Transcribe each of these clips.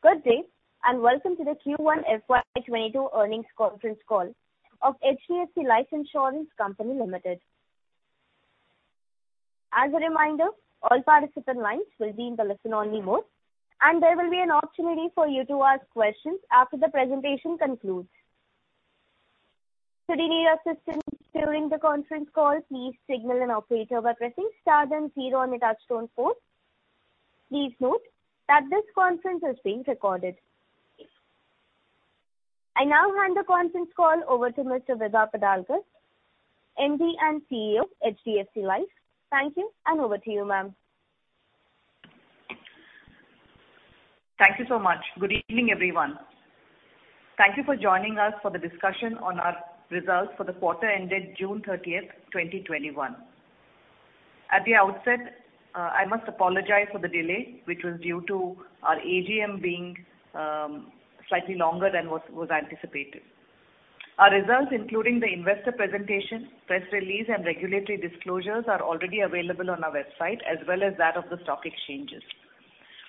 Good day, welcome to the Q1 FY 2022 earnings conference call of HDFC Life Insurance Company Limited. As a reminder, all participant lines will be in the listen-only mode, and there will be an opportunity for you to ask questions after the presentation concludes. Please note that this conference is being recorded. I now hand the conference call over to Ms. Vibha Padalkar, MD and CEO of HDFC Life. Thank you, and over to you, ma'am. Thank you so much. Good evening, everyone. Thank you for joining us for the discussion on our results for the quarter ending June 30th, 2021. At the outset, I must apologize for the delay, which was due to our AGM being slightly longer than was anticipated. Our results, including the investor presentation, press release, and regulatory disclosures, are already available on our website as well as that of the stock exchanges.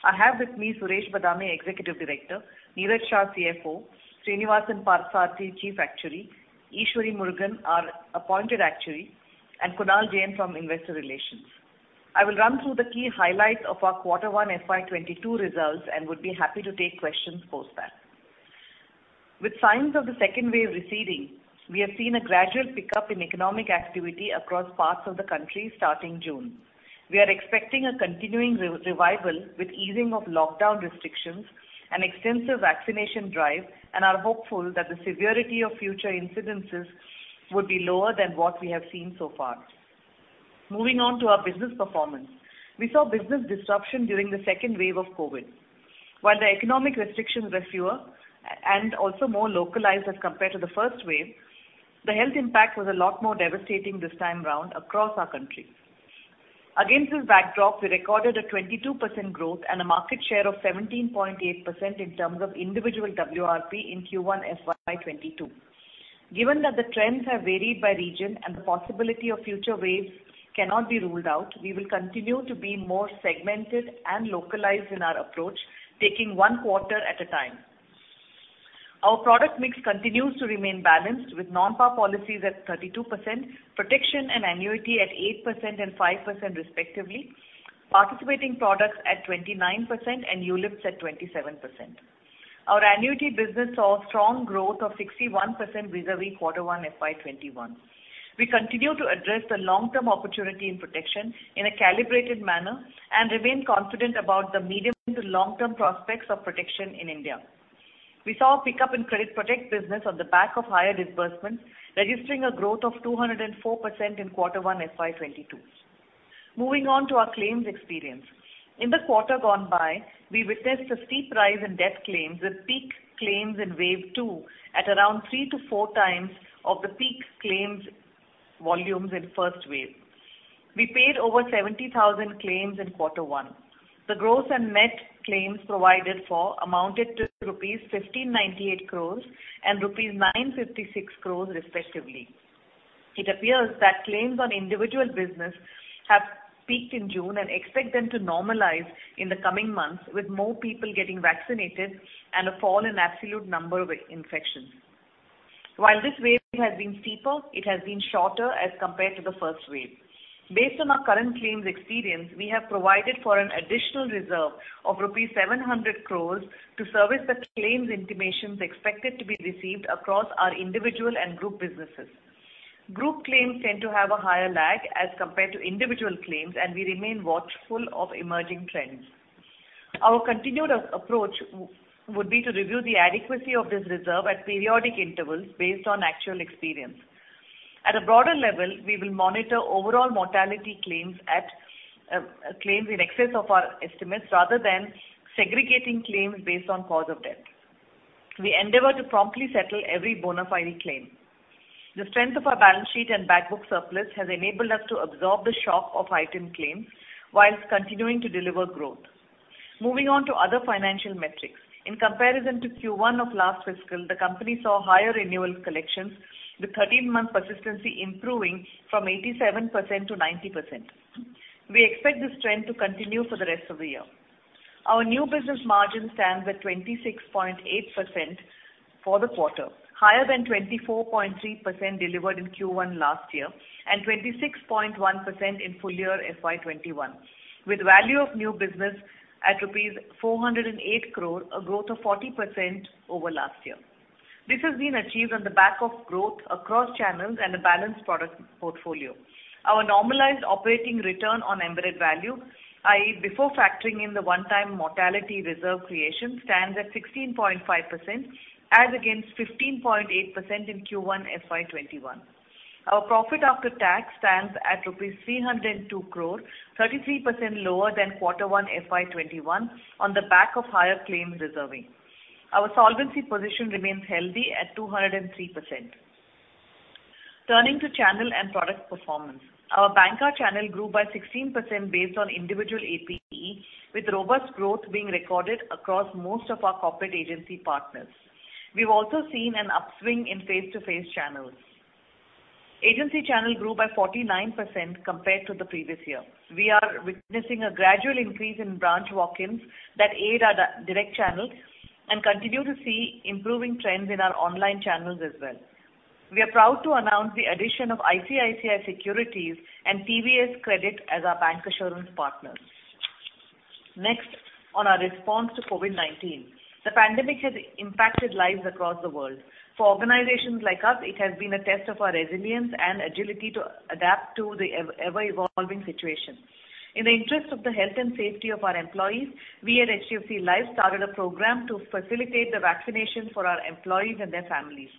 I have with me Suresh Badami, Executive Director, Niraj Shah, CFO, Srinivasan Parthasarathy, Chief Actuary, Eshwari Murugan, our Appointed Actuary, and Kunal Jain from Investor Relations. I will run through the key highlights of our Q1 FY22 results and would be happy to take questions post that. With signs of the second wave receding, we have seen a gradual pickup in economic activity across parts of the country starting June. We are expecting a continuing revival with easing of lockdown restrictions and extensive vaccination drive, and are hopeful that the severity of future incidences would be lower than what we have seen so far. Moving on to our business performance. We saw business disruption during the second wave of COVID. While the economic restrictions were fewer and also more localized as compared to the first wave, the health impact was a lot more devastating this time round across our country. Against this backdrop, we recorded a 22% growth and a market share of 17.8% in terms of individual WRP in Q1 FY 2022. Given that the trends have varied by region and the possibility of future waves cannot be ruled out, we will continue to be more segmented and localized in our approach, taking one quarter at a time. Our product mix continues to remain balanced with non-par policies at 32%, protection and annuity at 8% and 5% respectively, participating products at 29%, and ULIPs at 27%. Our annuity business saw strong growth of 61% vis-a-vis Quarter One FY 2021. We continue to address the long-term opportunity in protection in a calibrated manner and remain confident about the medium to long-term prospects of protection in India. We saw a pickup in credit protect business on the back of higher disbursements, registering a growth of 204% in Quarter One FY 2022. Moving on to our claims experience. In the quarter gone by, we witnessed a steep rise in death claims, with peak claims in wave two at around three to four times of the peak claims volumes in first wave. We paid over 70,000 claims in Quarter 1. The gross and net claims provided for amounted to rupees 1,598 crores and rupees 956 crores respectively. It appears that claims on individual business have peaked in June and expect them to normalize in the coming months with more people getting vaccinated and a fall in absolute number of infections. While this wave has been steeper, it has been shorter as compared to the first wave. Based on our current claims experience, we have provided for an additional reserve of rupees 700 crores to service the claims intimations expected to be received across our individual and group businesses. Group claims tend to have a higher lag as compared to individual claims, and we remain watchful of emerging trends. Our continued approach would be to review the adequacy of this reserve at periodic intervals based on actual experience. At a broader level, we will monitor overall mortality claims in excess of our estimates rather than segregating claims based on cause of death. We endeavor to promptly settle every bona fide claim. The strength of our balance sheet and back book surplus has enabled us to absorb the shock of item claims while continuing to deliver growth. Moving on to other financial metrics. In comparison to Q1 of last fiscal, the company saw higher renewal collections, with 13-month persistency improving from 87% to 90%. We expect this trend to continue for the rest of the year. Our new business margin stands at 26.8% for the quarter, higher than 24.3% delivered in Q1 last year and 26.1% in full year FY21, with value of new business at rupees 408 crore, a growth of 40% over last year. This has been achieved on the back of growth across channels and a balanced product portfolio. Our normalized operating return on embedded value, i.e., before factoring in the one-time mortality reserve creation, stands at 16.5% as against 15.8% in Q1 FY 2021. Our profit after tax stands at INR 302 crore, 33% lower than Quarter One FY 2021 on the back of higher claim reserving. Our solvency position remains healthy at 203%. Turning to channel and product performance. Our bancassurance channel grew by 16% based on individual APE, with robust growth being recorded across most of our corporate agency partners. We've also seen an upswing in face-to-face channels. Agency channel grew by 49% compared to the previous year. We are witnessing a gradual increase in branch walk-ins that aid our direct channels and continue to see improving trends in our online channels as well. We are proud to announce the addition of ICICI Securities and TVS Credit as our bancassurance partners. Next, on our response to COVID-19. The pandemic has impacted lives across the world. For organizations like us, it has been a test of our resilience and agility to adapt to the ever-evolving situation. In the interest of the health and safety of our employees, we at HDFC Life started a program to facilitate the vaccination for our employees and their families.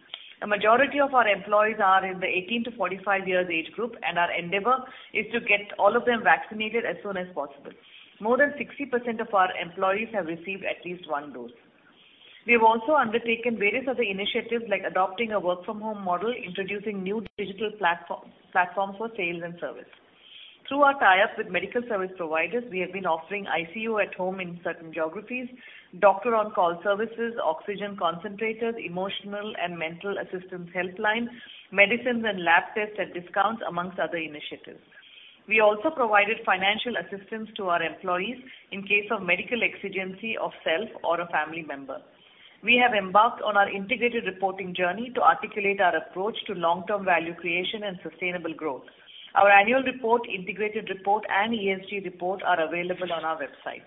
A majority of our employees are in the 18-45 years age group, and our endeavor is to get all of them vaccinated as soon as possible. More than 60% of our employees have received at least one dose. We have also undertaken various other initiatives like adopting a work from home model, introducing new digital platforms for sales and service. Through our tie-ups with medical service providers, we have been offering ICU at home in certain geographies, doctor on-call services, oxygen concentrators, emotional and mental assistance helplines, medicines and lab tests at discounts, amongst other initiatives. We also provided financial assistance to our employees in case of medical exigency of self or a family member. We have embarked on our integrated reporting journey to articulate our approach to long-term value creation and sustainable growth. Our annual report, integrated report, and ESG report are available on our website.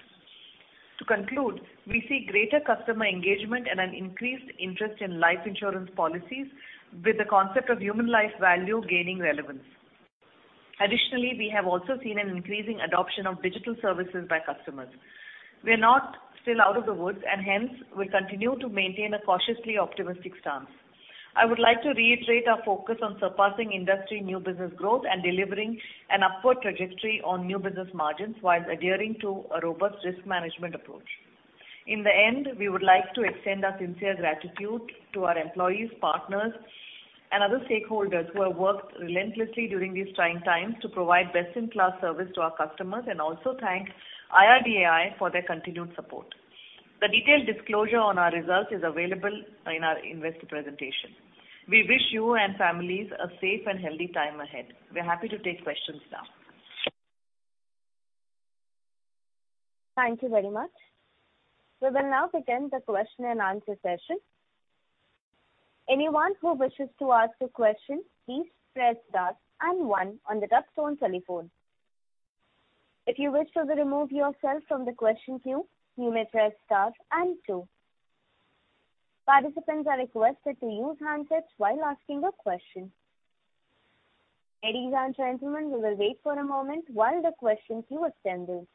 To conclude, we see greater customer engagement and an increased interest in life insurance policies with the concept of human life value gaining relevance. Additionally, we have also seen an increasing adoption of digital services by customers. We're not still out of the woods, and hence, will continue to maintain a cautiously optimistic stance. I would like to reiterate our focus on surpassing industry new business growth and delivering an upward trajectory on new business margins whilst adhering to a robust risk management approach. In the end, we would like to extend our sincere gratitude to our employees, partners, and other stakeholders who have worked relentlessly during these trying times to provide best-in-class service to our customers and also thank IRDAI for their continued support. The detailed disclosure on our results is available in our investor presentation. We wish you and families a safe and healthy time ahead. We're happy to take questions now. Thank you very much. We will now begin the question and answer session. Anyone who wishes to ask a question, please press star and one on the touchtone telephone. If you wish to remove yourself from the question queue, you may press star and two. Participants are requested to use handsets while asking a question. Ladies and gentlemen, we will wait for a moment while the question queue assembles.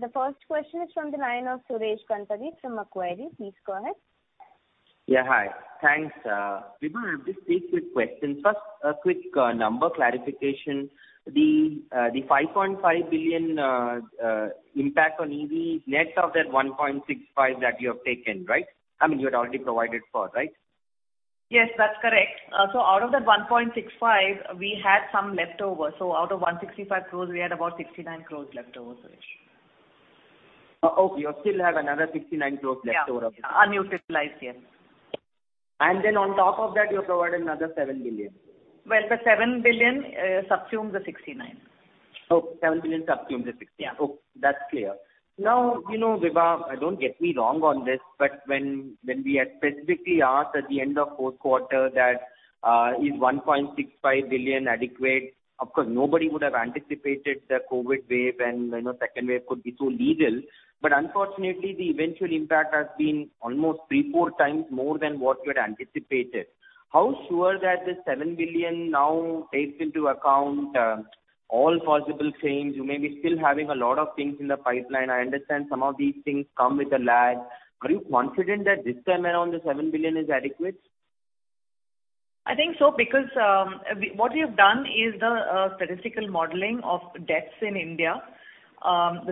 The first question is from the line of Suresh Ganapathy from Macquarie. Please go ahead. Yeah, hi. Thanks. Vibha, I have just three quick questions. First, a quick number clarification. The 5.5 billion impact on EV, net of that 1.65 that you have taken, right? I mean, you had already provided for, right? Yes, that's correct. Out of that 165 crore, we had some leftover. Out of 165 crore, we had about 69 crore left over, Suresh. Okay. You still have another 69 crores left over. Yeah. Unutilized, yes. On top of that, you provided another 7 billion. Well, the 7 billion subsumes the 69. Okay. 7 billion subsumes the 69. Yeah. Okay. That's clear. Now, Vibha, don't get me wrong on this, but when we had specifically asked at the end of the fourth quarter that is 1.65 billion adequate, of course, nobody would have anticipated the COVID wave and second wave could be so lethal. Unfortunately, the eventual impact has been almost three, four times more than what you had anticipated. How sure that the 7 billion now takes into account all possible claims? You may be still having a lot of things in the pipeline. I understand some of these things come with a lag. Are you confident that this time around the 7 billion is adequate? I think so, because what we have done is the statistical modeling of deaths in India,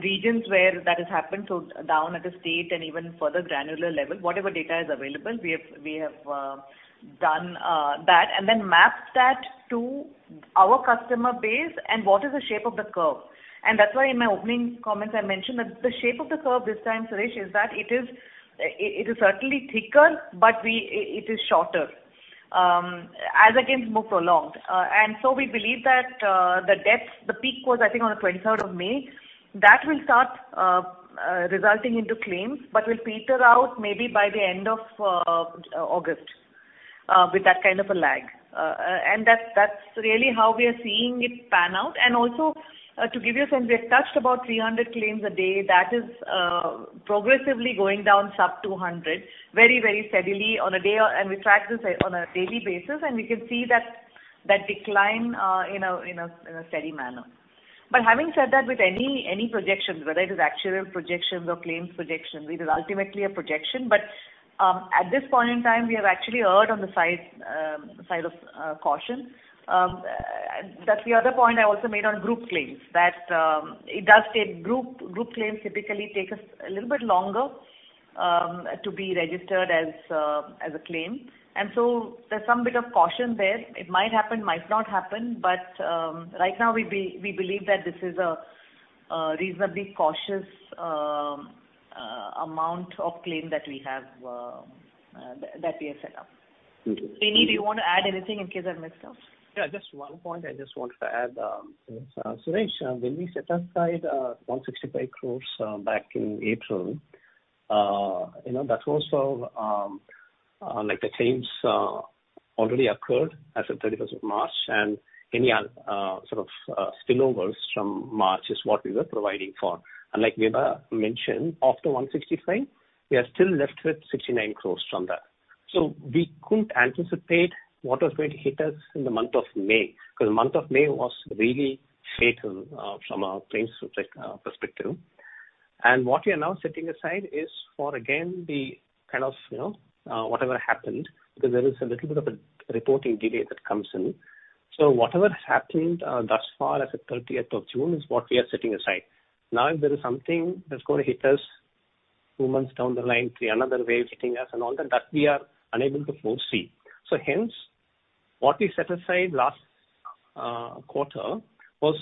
regions where that has happened, so down at the state and even further granular level. Whatever data is available, we have done that and then mapped that to our customer base and what is the shape of the curve. That's why in my opening comments, I mentioned that the shape of the curve this time, Suresh, is that it is certainly thicker, but it is shorter, as against more prolonged. We believe that the deaths, the peak was, I think, on the 23rd of May. That will start resulting into claims, but will peter out maybe by the end of August, with that kind of a lag. That's really how we are seeing it pan out. To give you a sense, we have touched about 300 claims a day. That is progressively going down sub 200 very steadily on a day, and we track this on a daily basis, and we can see that decline in a steady manner. Having said that, with any projections, whether it is actuarial projections or claims projections, it is ultimately a projection. At this point in time, we have actually erred on the side of caution. That's the other point I also made on group claims, that group claims typically take a little bit longer to be registered as a claim. There's some bit of caution there. It might happen, might not happen. Right now we believe that this is a reasonably cautious amount of claim that we have set up. Okay. Srini, do you want to add anything in case I missed out? Yeah, just one point I just wanted to add. Suresh, when we set aside 165 crores back in April, that was the claims already occurred as of 31st of March and any sort of spillovers from March is what we were providing for. Like Vibha mentioned, after 165, we are still left with 69 crores from that. We couldn't anticipate what was going to hit us in the month of May, because the month of May was really fatal from a claims perspective. What we are now setting aside is for, again, whatever happened, because there is a little bit of a reporting delay that comes in. Whatever happened thus far as of 30th of June is what we are setting aside. Now, if there is something that's going to hit us two months down the line, another wave hitting us and all that we are unable to foresee. Hence, what we set aside last quarter was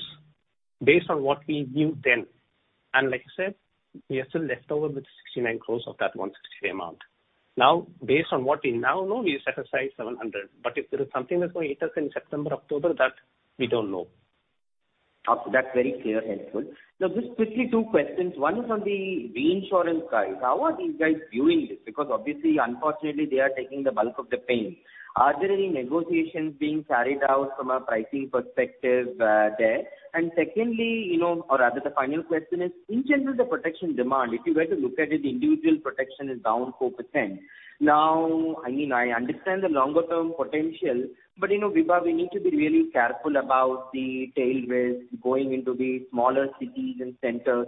based on what we knew then. Like I said, we are still left over with 69 crores of that 165 amount. Now based on what we now know, we set aside 700, but if there is something that's going to hit us in September, October, that we don't know. That's very clear and helpful. Just quickly two questions. One is on the reinsurance guys. How are these guys viewing this? Obviously, unfortunately, they are taking the bulk of the pain. Are there any negotiations being carried out from a pricing perspective there? Secondly, or rather the final question is, in general, the protection demand, if you were to look at it, individual protection is down 4%. I understand the longer-term potential, Vibha, we need to be really careful about the tail risk going into the smaller cities and centers.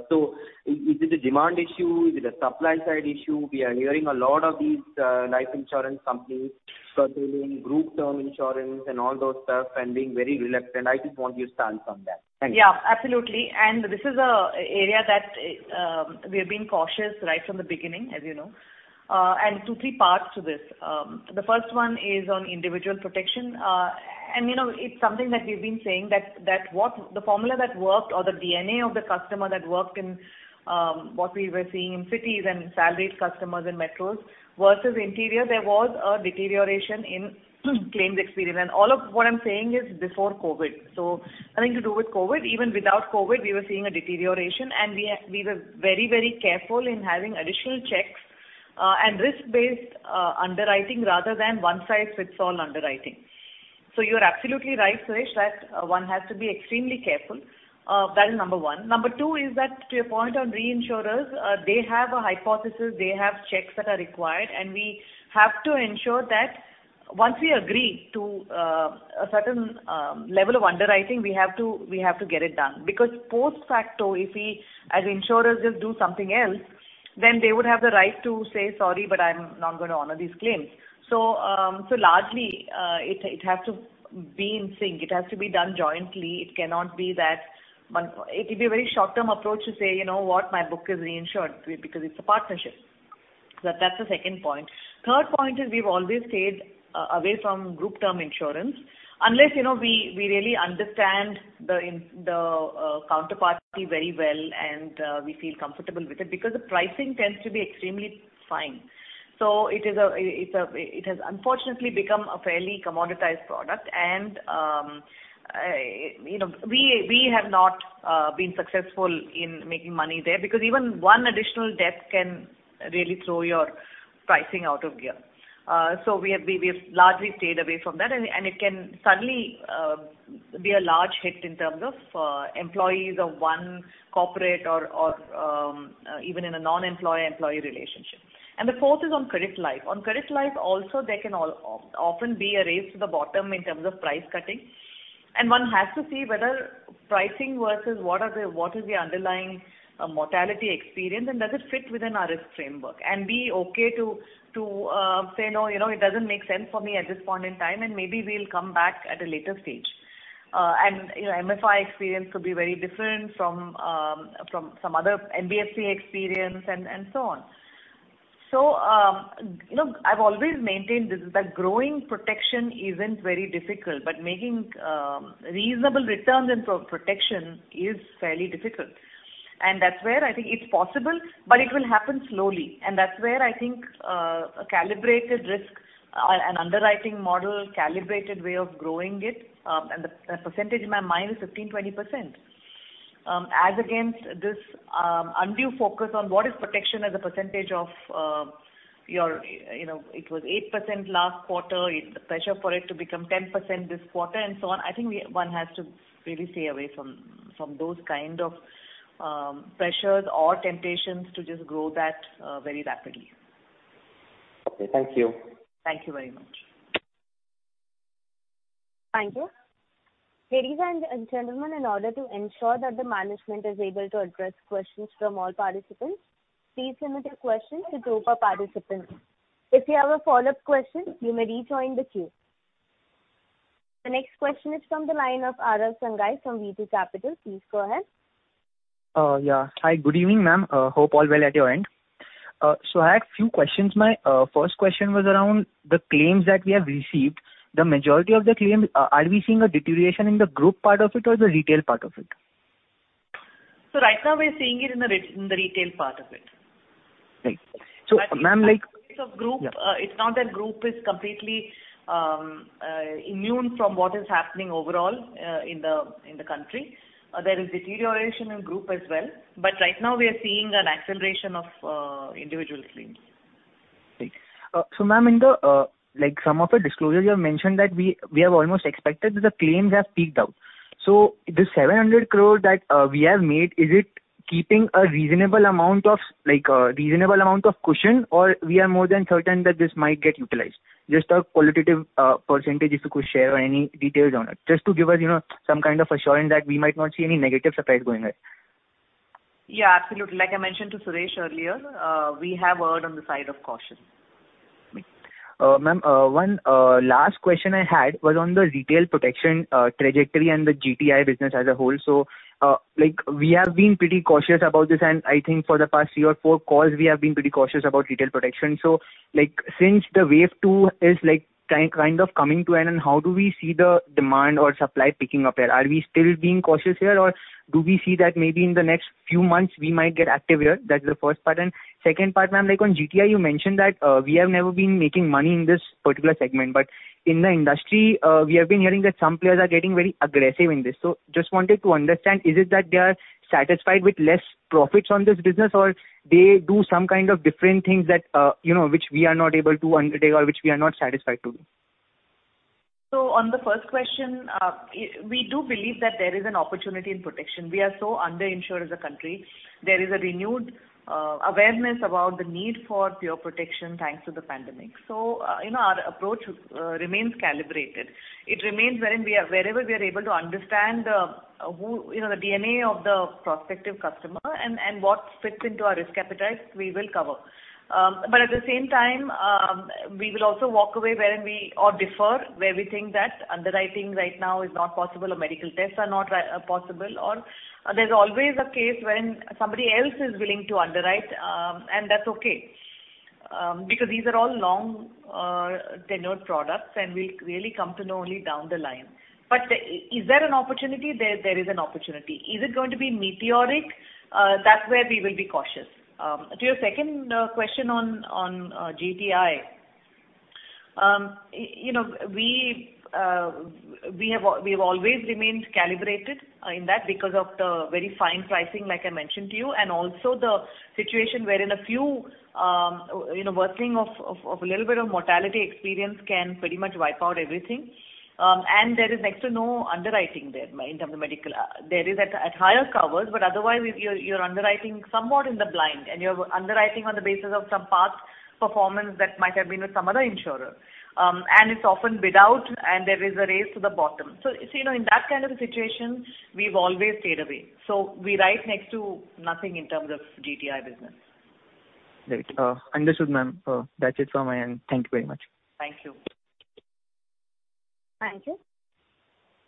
Is it a demand issue? Is it a supply side issue? We are hearing a lot of these life insurance companies pursuing group term insurance and all those stuff and being very reluctant. I just want your stance on that. Thank you. Yeah, absolutely. This is an area that we've been cautious right from the beginning, as you know. Two, three parts to this. The first one is on individual protection. It's something that we've been saying that the formula that worked or the DNA of the customer that worked and what we were seeing in cities and salaried customers in metros versus interior, there was a deterioration in claims experience. All of what I'm saying is before COVID. Nothing to do with COVID. Even without COVID, we were seeing a deterioration and we were very careful in having additional checks and risk-based underwriting rather than one-size-fits-all underwriting. You're absolutely right, Suresh, that one has to be extremely careful. That is number one. Number two is that to your point on reinsurers, they have a hypothesis, they have checks that are required, and we have to ensure that once we agree to a certain level of underwriting, we have to get it done. Because post-facto, if we as insurers just do something else, then they would have the right to say, "Sorry, but I'm not going to honor these claims." Largely, it has to be in sync. It has to be done jointly. It can't be a very short-term approach to say, "You know what? My book is reinsured," because it's a partnership. That's the second point. Third point is we've always stayed away from group term insurance. Unless we really understand the counterparty very well and we feel comfortable with it because the pricing tends to be extremely fine. It has unfortunately become a fairly commoditized product and we have not been successful in making money there because even one additional death can really throw your pricing out of gear. We have largely stayed away from that, and it can suddenly be a large hit in terms of employees of one corporate or even in a non-employee-employee relationship. The fourth is on credit life. On credit life also, there can often be a race to the bottom in terms of price cutting. One has to see whether pricing versus what is the underlying mortality experience and does it fit within our risk framework and be okay to say, "No, it doesn't make sense for me at this point in time, and maybe we'll come back at a later stage." MFI experience could be very different from some other NBFC experience and so on. Look, I've always maintained that growing protection isn't very difficult, but making reasonable returns in protection is fairly difficult. That's where I think it's possible, but it will happen slowly. That's where I think a calibrated risk, an underwriting model, calibrated way of growing it, and the percentage in my mind is 15%-20%. As against this undue focus on what is protection as a percentage of, it was 8% last quarter, the pressure for it to become 10% this quarter and so on. I think one has to really stay away from those kind of pressures or temptations to just grow that very rapidly. Okay, thank you. Thank you very much. Thank you. Ladies and gentlemen, in order to ensure that the management is able to address questions from all participants, please limit your questions to group of participants. If you have a follow-up question, you may rejoin the queue. The next question is from the line of Arav Sangai from VT Capital. Please go ahead. Yeah. Hi, good evening, ma'am. Hope all well at your end. I had few questions. My first question was around the claims that we have received, the majority of the claim, are we seeing a deterioration in the group part of it or the retail part of it? Right now we are seeing it in the retail part of it. Right. ma'am, As of group- Yeah. It's not that group is completely immune from what is happening overall in the country. There is deterioration in group as well. Right now we are seeing an acceleration of individual claims. Right. ma'am, in some of the disclosures you have mentioned that we have almost expected that the claims have peaked out. This 700 crore that we have made, is it keeping a reasonable amount of cushion, or we are more than certain that this might get utilized? Just a qualitative % if you could share or any details on it. Just to give us some kind of assurance that we might not see any negative surprise going ahead. Absolutely. Like I mentioned to Suresh earlier, we have erred on the side of caution. Right. Ma'am, one last question I had was on the retail protection trajectory and the GTI business as a whole. We have been pretty cautious about this, and I think for the past three or four calls, we have been pretty cautious about retail protection. Since the wave two is kind of coming to an end, how do we see the demand or supply picking up here? Are we still being cautious here, or do we see that maybe in the next few months we might get active here? That's the first part. Second part, ma'am, on GTI, you mentioned that we have never been making money in this particular segment. In the industry, we have been hearing that some players are getting very aggressive in this. Just wanted to understand, is it that they are satisfied with less profits on this business, or they do some kind of different things that which we are not able to undertake or which we are not satisfied to do? On the first question, we do believe that there is an opportunity in protection. We are so under-insured as a country. There is a renewed awareness about the need for pure protection, thanks to the pandemic. Our approach remains calibrated. It remains wherein wherever we are able to understand the DNA of the prospective customer and what fits into our risk appetite, we will cover. At the same time, we will also walk away wherein we or defer where we think that underwriting right now is not possible or medical tests are not possible, or there's always a case when somebody else is willing to underwrite, and that's okay. These are all long tenured products, and we'll really come to know only down the line. Is there an opportunity? There is an opportunity. Is it going to be meteoric? That's where we will be cautious. To your second question on GTI. We have always remained calibrated in that because of the very fine pricing, like I mentioned to you, and also the situation wherein a few worsening of a little bit of mortality experience can pretty much wipe out everything. There is next to no underwriting there in terms of medical. There is at higher covers, but otherwise, you're underwriting somewhat in the blind, and you're underwriting on the basis of some past performance that might have been with some other insurer. It's often bid out, and there is a race to the bottom. In that kind of a situation, we've always stayed away. We write next to nothing in terms of GTI business. Right. Understood, ma'am. That's it from my end. Thank you very much. Thank you. Thank you.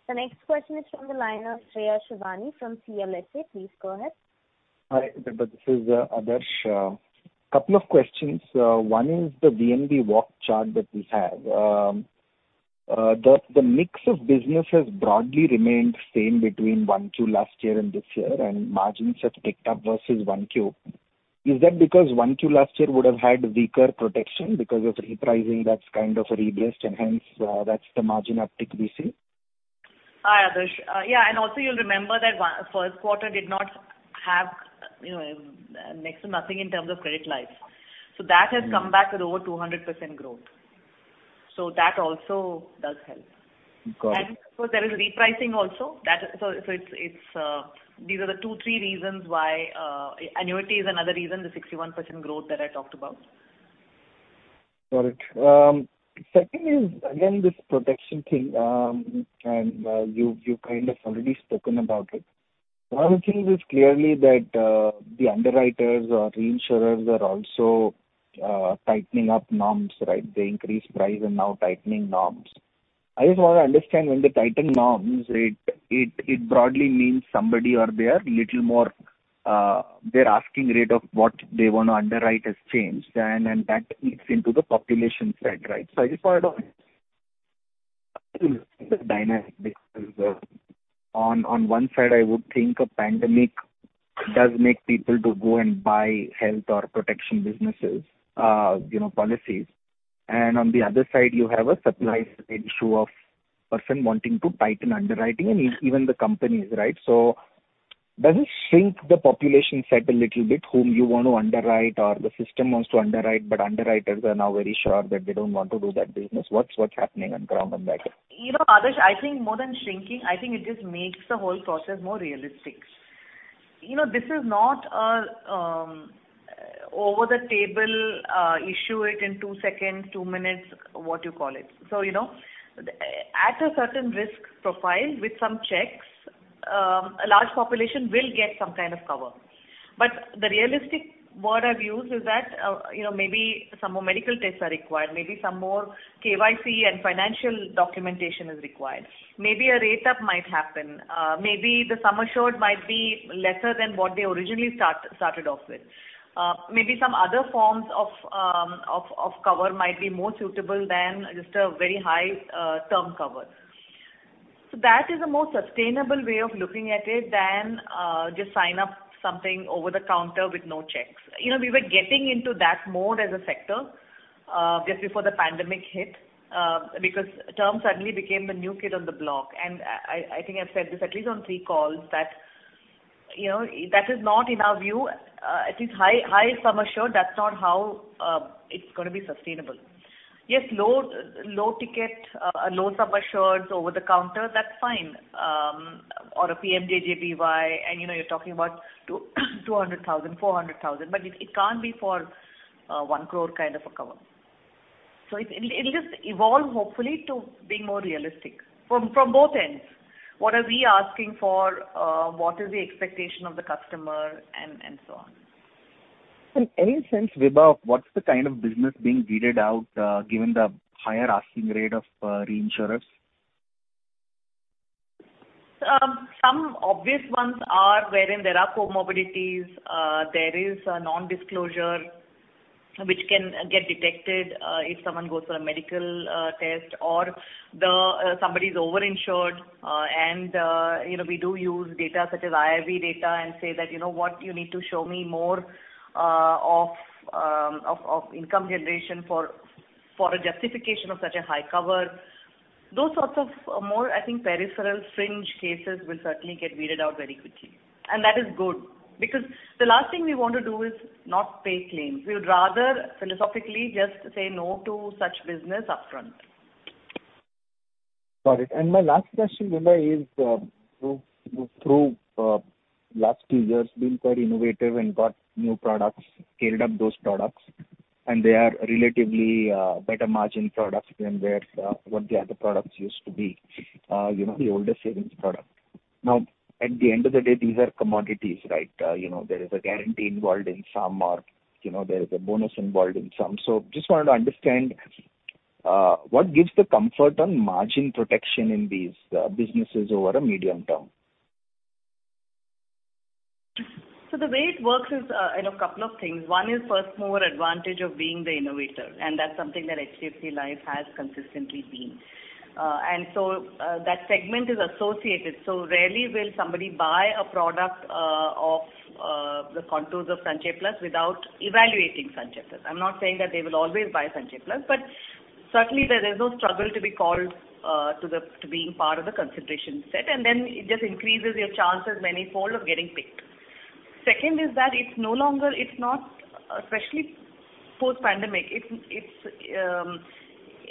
The next question is from the line of Shreya Shivani from CLSA. Please go ahead. Hi, this is Adarsh. Couple of questions. One is the VNB walk chart that we have. The mix of business has broadly remained same between 1Q last year and this year, and margins have ticked up versus 1Q. Is that because 1Q last year would have had weaker protection because of repricing that's kind of rebased and hence, that's the margin uptick we see? Hi, Adarsh. Yeah, also you'll remember that first quarter did not have next to nothing in terms of credit life. That has come back with over 200% growth. That also does help. Got it. Of course, there is repricing also. These are the two, three reasons. Annuity is another reason, the 61% growth that I talked about. Got it. Second is, again, this protection thing. You've kind of already spoken about it. One of the things is clearly that the underwriters or reinsurers are also tightening up norms, right? They increased price. Now tightening norms. I just want to understand when they tighten norms, it broadly means somebody or their asking rate of what they want to underwrite has changed and that feeds into the population side, right? I just want to know the dynamic because on one side, I would think a pandemic does make people to go and buy health or protection businesses policies. On the other side, you have a supply issue of person wanting to tighten underwriting and even the companies, right? Does it shrink the population side a little bit, whom you want to underwrite or the system wants to underwrite, but underwriters are now very sure that they don't want to do that business. What's happening on ground on that end? You know, Adarsh, I think more than shrinking, I think it just makes the whole process more realistic. This is not a over the table, issue it in two seconds, two minutes, what you call it. At a certain risk profile with some checks. A large population will get some kind of cover. The realistic word I've used is that maybe some more medical tests are required, maybe some more KYC and financial documentation is required. Maybe a rate-up might happen. Maybe the sum assured might be lesser than what they originally started off with. Maybe some other forms of cover might be more suitable than just a very high term cover. That is a more sustainable way of looking at it than just sign up something over the counter with no checks. We were getting into that mode as a sector just before the pandemic hit because term suddenly became the new kid on the block, and I think I've said this at least on 3 calls that is not in our view at least high sum assured, that's not how it's going to be sustainable. Yes, low ticket, low sum assured over the counter, that's fine. A PMJJBY and you're talking about 200,000, 400,000, but it can't be for 1 crore kind of a cover. It'll just evolve, hopefully, to being more realistic from both ends. What are we asking for? What is the expectation of the customer, and so on. In any sense, Vibha, what's the kind of business being weeded out given the higher asking rate of reinsurers? Some obvious ones are wherein there are comorbidities, there is non-disclosure which can get detected if someone goes for a medical test or somebody's over-insured. We do use data such as IIB data and say that, "You know what? You need to show me more of income generation for a justification of such a high cover." Those sorts of more, I think, peripheral fringe cases will certainly get weeded out very quickly. That is good because the last thing we want to do is not pay claims. We would rather philosophically just say no to such business upfront. Got it. My last question, Vibha, is through last two years, been quite innovative and got new products, scaled up those products, and they are relatively better margin products than what the other products used to be, the older savings product. At the end of the day, these are commodities, right? There is a guarantee involved in some or there is a bonus involved in some. Just wanted to understand, what gives the comfort on margin protection in these businesses over a medium term? The way it works is in a couple of things. One is first-mover advantage of being the innovator, and that's something that HDFC Life has consistently been. That segment is associated, so rarely will somebody buy a product of the contours of Sanchay Plus without evaluating Sanchay Plus. I'm not saying that they will always buy Sanchay Plus, but certainly there is no struggle to be called to being part of the consideration set, and then it just increases your chances manyfold of getting picked. Second is that it's no longer, especially post-pandemic, it's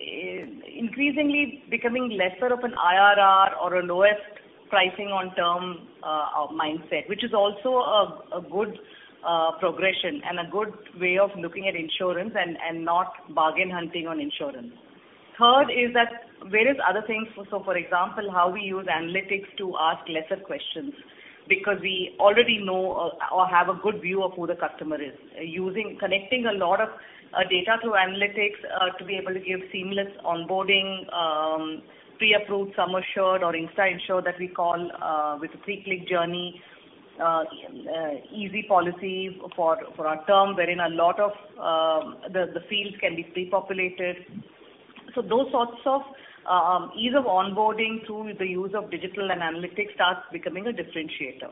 increasingly becoming lesser of an IRR or a lowest pricing on term mindset, which is also a good progression and a good way of looking at insurance and not bargain hunting on insurance. Third is that various other things, so for example, how we use analytics to ask lesser questions because we already know or have a good view of who the customer is. Connecting a lot of data through analytics to be able to give seamless onboarding, pre-approved sum assured or instant assured that we call with a three-click journey, easy policy for our term wherein a lot of the fields can be pre-populated. Those sorts of ease of onboarding through the use of digital and analytics starts becoming a differentiator.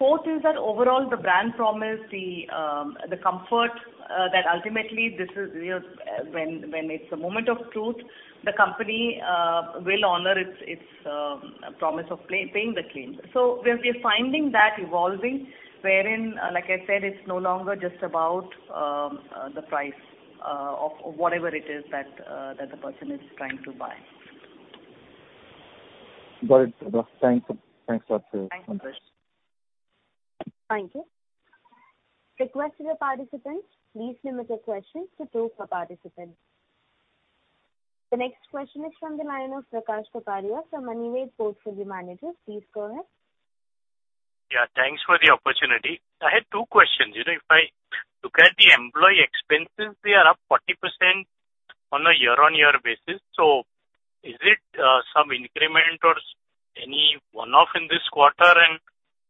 Fourth is that overall the brand promise, the comfort that ultimately when it's a moment of truth, the company will honor its promise of paying the claims. We're finding that evolving wherein, like I said, it's no longer just about the price of whatever it is that the person is trying to buy. Got it. Thanks for the update. Thank you. Thank you. Request to the participants, please limit your questions to two per participant. The next question is from the line of Prakash Kapadia from Anived Portfolio Managers. Please go ahead. Yeah, thanks for the opportunity. I had two questions. If I look at the employee expenses, they are up 40% on a year-on-year basis. Is it some increment or any one-off in this quarter?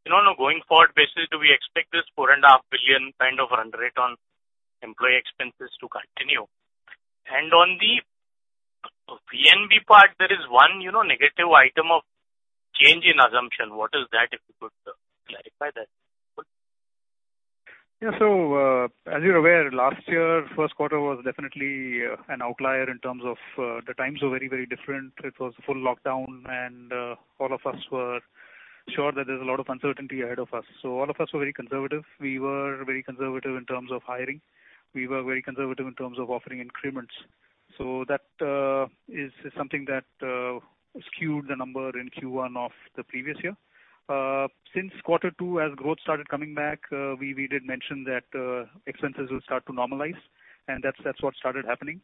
On a going forward basis, do we expect this 4.5 billion kind of run rate on employee expenses to continue? On the PNB part, there is one negative item of change in assumption. What is that, if you could clarify that? As you're aware, last year 1st quarter was definitely an outlier in terms of the times were very different. It was full lockdown and all of us were sure that there's a lot of uncertainty ahead of us. All of us were very conservative. We were very conservative in terms of hiring. We were very conservative in terms of offering increments. That is something that skewed the number in Q1 of the previous year. Since quarter 2, as growth started coming back, we did mention that expenses will start to normalize. That's what started happening.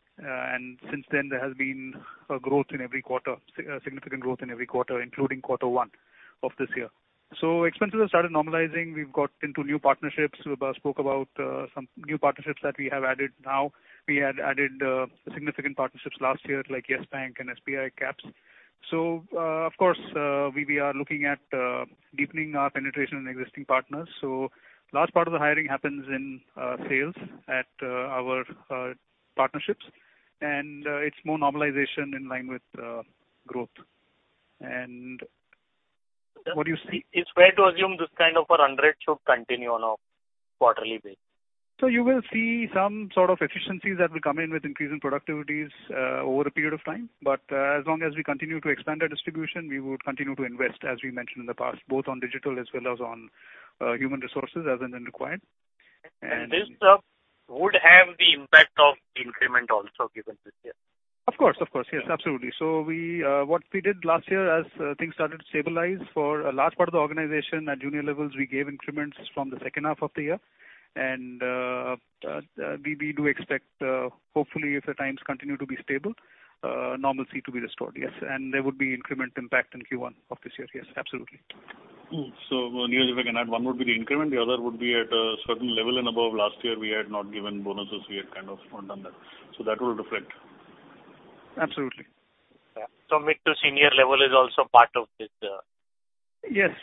Since then, there has been a significant growth in every quarter, including quarter 1 of this year. Expenses have started normalizing. We've got into new partnerships. Suresh spoke about some new partnerships that we have added now. We had added significant partnerships last year, like YES BANK and SBI Caps. Of course, we are looking at deepening our penetration in existing partners. Large part of the hiring happens in sales at our partnerships, and it's more normalization in line with growth. What do you see? Is it fair to assume this kind of a run rate should continue on a quarterly base? You will see some sort of efficiencies that will come in with increase in productivities over a period of time. As long as we continue to expand our distribution, we would continue to invest, as we mentioned in the past, both on digital as well as on human resources as and when required. This stuff would have the impact of increment also given this year. Of course. Yes, absolutely. What we did last year as things started to stabilize for a large part of the organization at junior levels, we gave increments from the second half of the year. We do expect, hopefully, if the times continue to be stable, normalcy to be restored. Yes. There would be increment impact in Q1 of this year. Yes, absolutely. Niraj, if I can add, one would be the increment, the other would be at a certain level and above last year, we had not given bonuses, we had kind of not done that. That will reflect. Absolutely. Mid to senior level is also part of this. Yes.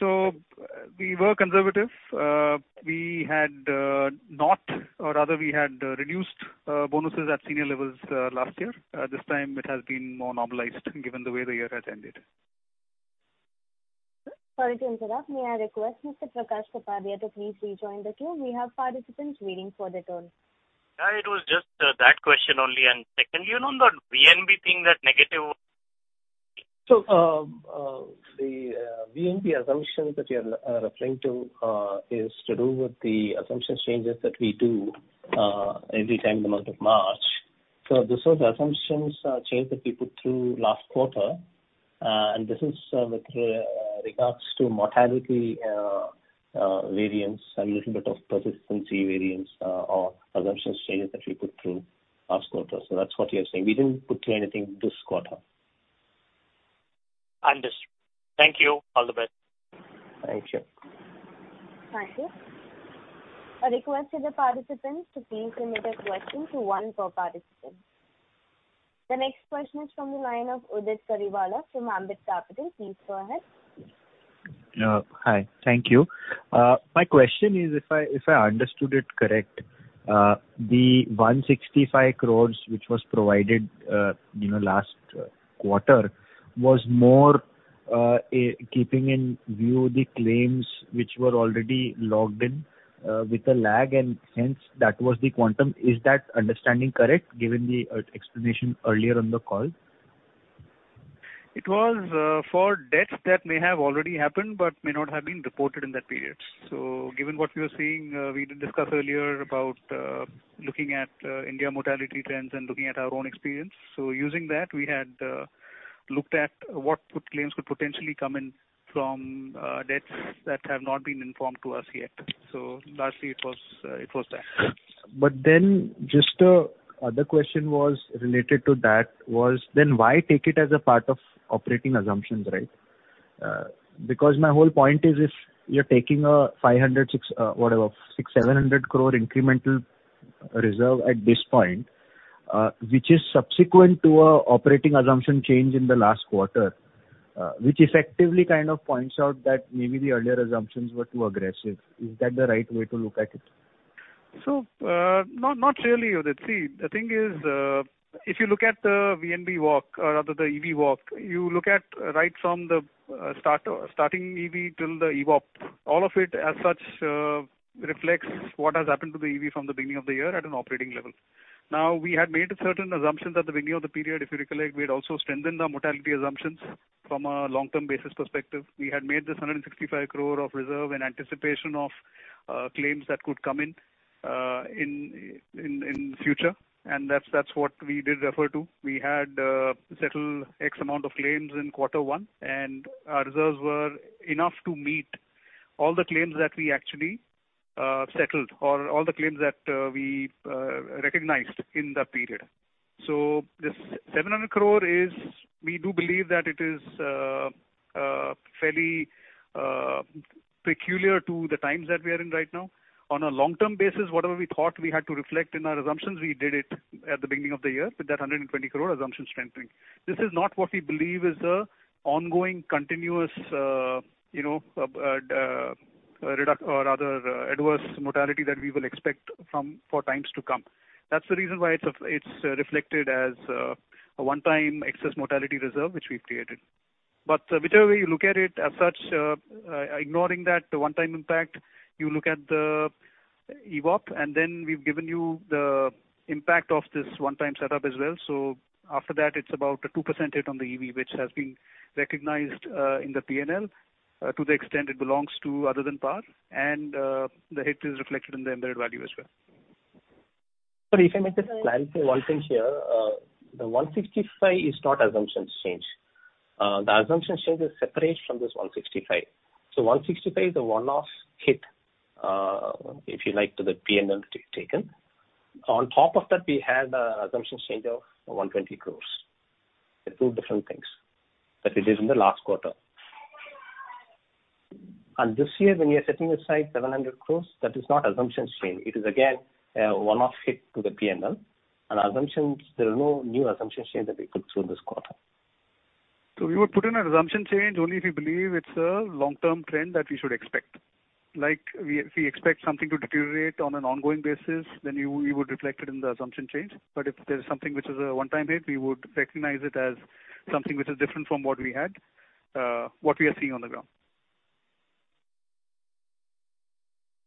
We were conservative. We had not, or rather we had reduced bonuses at senior levels last year. This time it has been more normalized given the way the year has ended. Sorry to interrupt. May I request Mr. Prakash Kapadia to please rejoin the queue. We have participants waiting for their turn. It was just that question only and secondly on the VNB thing that negative- The VNB assumption that you're referring to is to do with the assumption changes that we do every time in the month of March. This was assumptions change that we put through last quarter, and this is with regards to mortality variance and little bit of persistency variance or assumption changes that we put through last quarter. That's what you're saying. We didn't put through anything this quarter. Understood. Thank you. All the best. Thank you. Thank you. A request to the participants to please limit a question to one per participant. The next question is from the line of Udit Kariwala from Ambit Capital. Please go ahead. Hi. Thank you. My question is, if I understood it correct, the 165 crore which was provided last quarter was more keeping in view the claims which were already logged in with a lag and hence that was the quantum. Is that understanding correct given the explanation earlier on the call? It was for deaths that may have already happened but may not have been reported in that period. Given what we were seeing, we did discuss earlier about looking at India mortality trends and looking at our own experience. Using that, we had looked at what claims could potentially come in from deaths that have not been informed to us yet. Largely it was that. Just the other question was related to that was then why take it as a part of operating assumptions, right? Because my whole point is if you're taking a 500, six, whatever, 600, 700 crore incremental reserve at this point, which is subsequent to an operating assumption change in the last quarter, which effectively kind of points out that maybe the earlier assumptions were too aggressive. Is that the right way to look at it? Not really, Udit. See, the thing is if you look at the VNB walk or rather the EV walk, you look at right from the starting EV till the EVOP. All of it as such reflects what has happened to the EV from the beginning of the year at an operating level. We had made certain assumptions at the beginning of the period. If you recollect, we had also strengthened our mortality assumptions from a long-term basis perspective. We had made this 165 crore of reserve in anticipation of claims that could come in future. That's what we did refer to. We had settled X amount of claims in quarter one, and our reserves were enough to meet all the claims that we actually settled or all the claims that we recognized in that period. This 700 crore is we do believe that it is fairly peculiar to the times that we are in right now. On a long-term basis, whatever we thought we had to reflect in our assumptions, we did it at the beginning of the year with that 120 crore assumption strengthening. This is not what we believe is a ongoing, continuous adverse mortality that we will expect for times to come. That's the reason why it's reflected as a one-time excess mortality reserve, which we've created. But whichever way you look at it as such, ignoring that one-time impact, you look at the EVOP, and then we've given you the impact of this one-time setup as well. After that, it's about a 2% hit on the EV, which has been recognized in the P&L to the extent it belongs to other than PAR, and the hit is reflected in the embedded value as well. Sir, if I may just clarify one thing here. The 165 is not assumptions change. The assumption change is separate from this 165. 165 is a one-off hit, if you like, to the P&L taken. On top of that, we had an assumption change of 120 crores. They're two different things. It is in the last quarter. This year, when we are setting aside 700 crores, that is not assumption change. It is again a one-off hit to the P&L. There are no new assumption changes that we took through this quarter. We would put in an assumption change only if we believe it's a long-term trend that we should expect. Like if we expect something to deteriorate on an ongoing basis, then we would reflect it in the assumption change. If there's something which is a one-time hit, we would recognize it as something which is different from what we are seeing on the ground.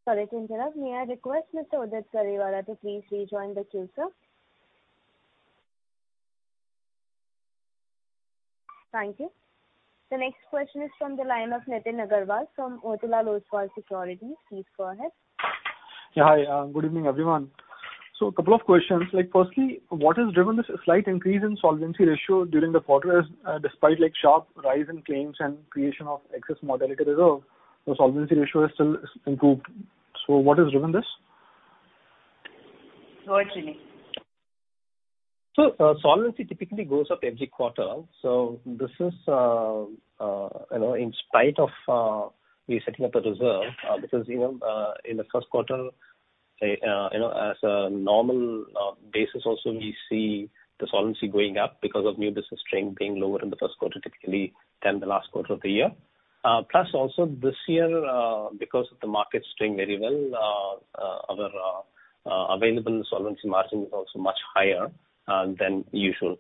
Sorry to interrupt. May I request Mr. Udit Kariwala to please rejoin the queue, sir. Thank you. The next question is from the line of Nitin Aggarwal from Motilal Oswal Securities. Please go ahead. Yeah, hi. Good evening, everyone. Two questions. Firstly, what has driven this slight increase in solvency ratio during the quarter despite sharp rise in claims and creation of Excess Mortality Reserve? The solvency ratio has still improved. What has driven this? Go ahead, Srini. Solvency typically goes up every quarter. This is in spite of we setting up a reserve because in the first quarter, as a normal basis also, we see the solvency going up because of new business stream being lower in the first quarter typically than the last quarter of the year. Also this year, because of the market doing very well, our available solvency margin is also much higher than usual.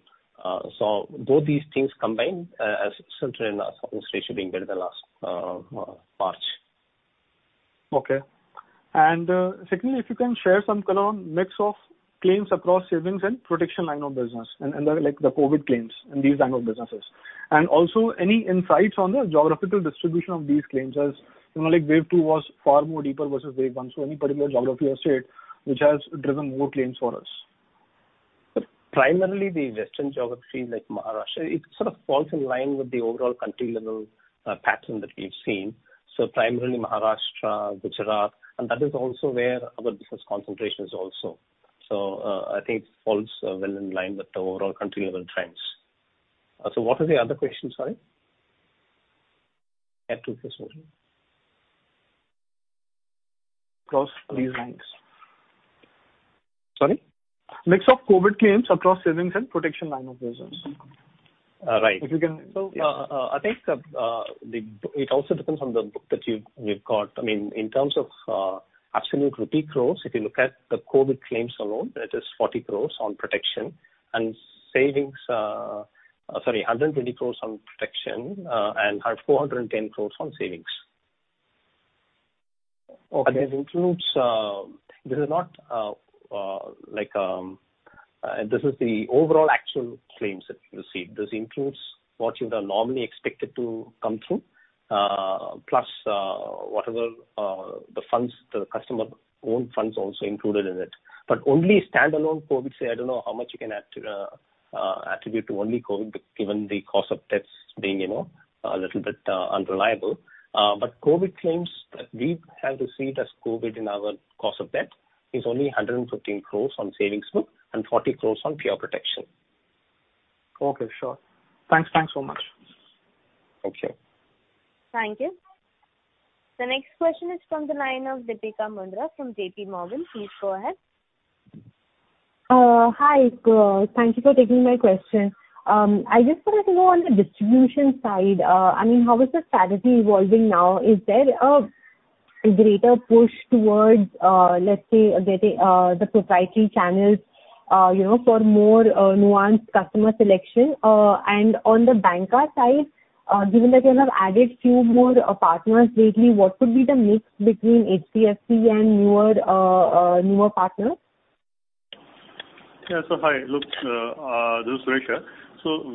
Both these things combined has resulted in our solvency ratio being better than last March. Okay. Secondly, if you can share some kind of mix of claims across savings and protection line of business and the COVID claims in these line of businesses. Also any insights on the geographical distribution of these claims as wave two was far more deeper versus wave one, so any particular geography or state which has driven more claims for us. Primarily the Western geography like Maharashtra. It sort of falls in line with the overall country level pattern that we've seen. Primarily Maharashtra, Gujarat, and that is also where our business concentration is also. I think it falls well in line with the overall country level trends. What was the other question, sorry? I have two questions only. Across these lines. Sorry? Mix of COVID claims across savings and protection line of business. Right. Yeah. I think it also depends on the book that you've got. In terms of absolute rupee crores, if you look at the COVID-19 claims alone, that is 40 crores on protection and sorry, 120 crores on protection and 410 crores on savings. Okay. This is the overall actual claims that we've received. This includes what you would have normally expected to come through, plus whatever the customer-owned funds also included in it. Only standalone COVID, say, I don't know how much you can attribute to only COVID, given the causes of death being a little bit unreliable. COVID claims that we have received as COVID in our causes of death is only 115 crores on savings book and 40 crores on pure protection. Okay, sure. Thanks so much. Thank you. Thank you. The next question is from the line of Deepika Mundra from JPMorgan. Please go ahead. Hi. Thank you for taking my question. I just wanted to know on the distribution side, how is the strategy evolving now? Is there a greater push towards, let's say, the proprietary channels for more nuanced customer selection? On the bancassurance side, given that you have added few more partners lately, what would be the mix between HDFC and newer partners? Yeah. Hi, look, this is Suresh here.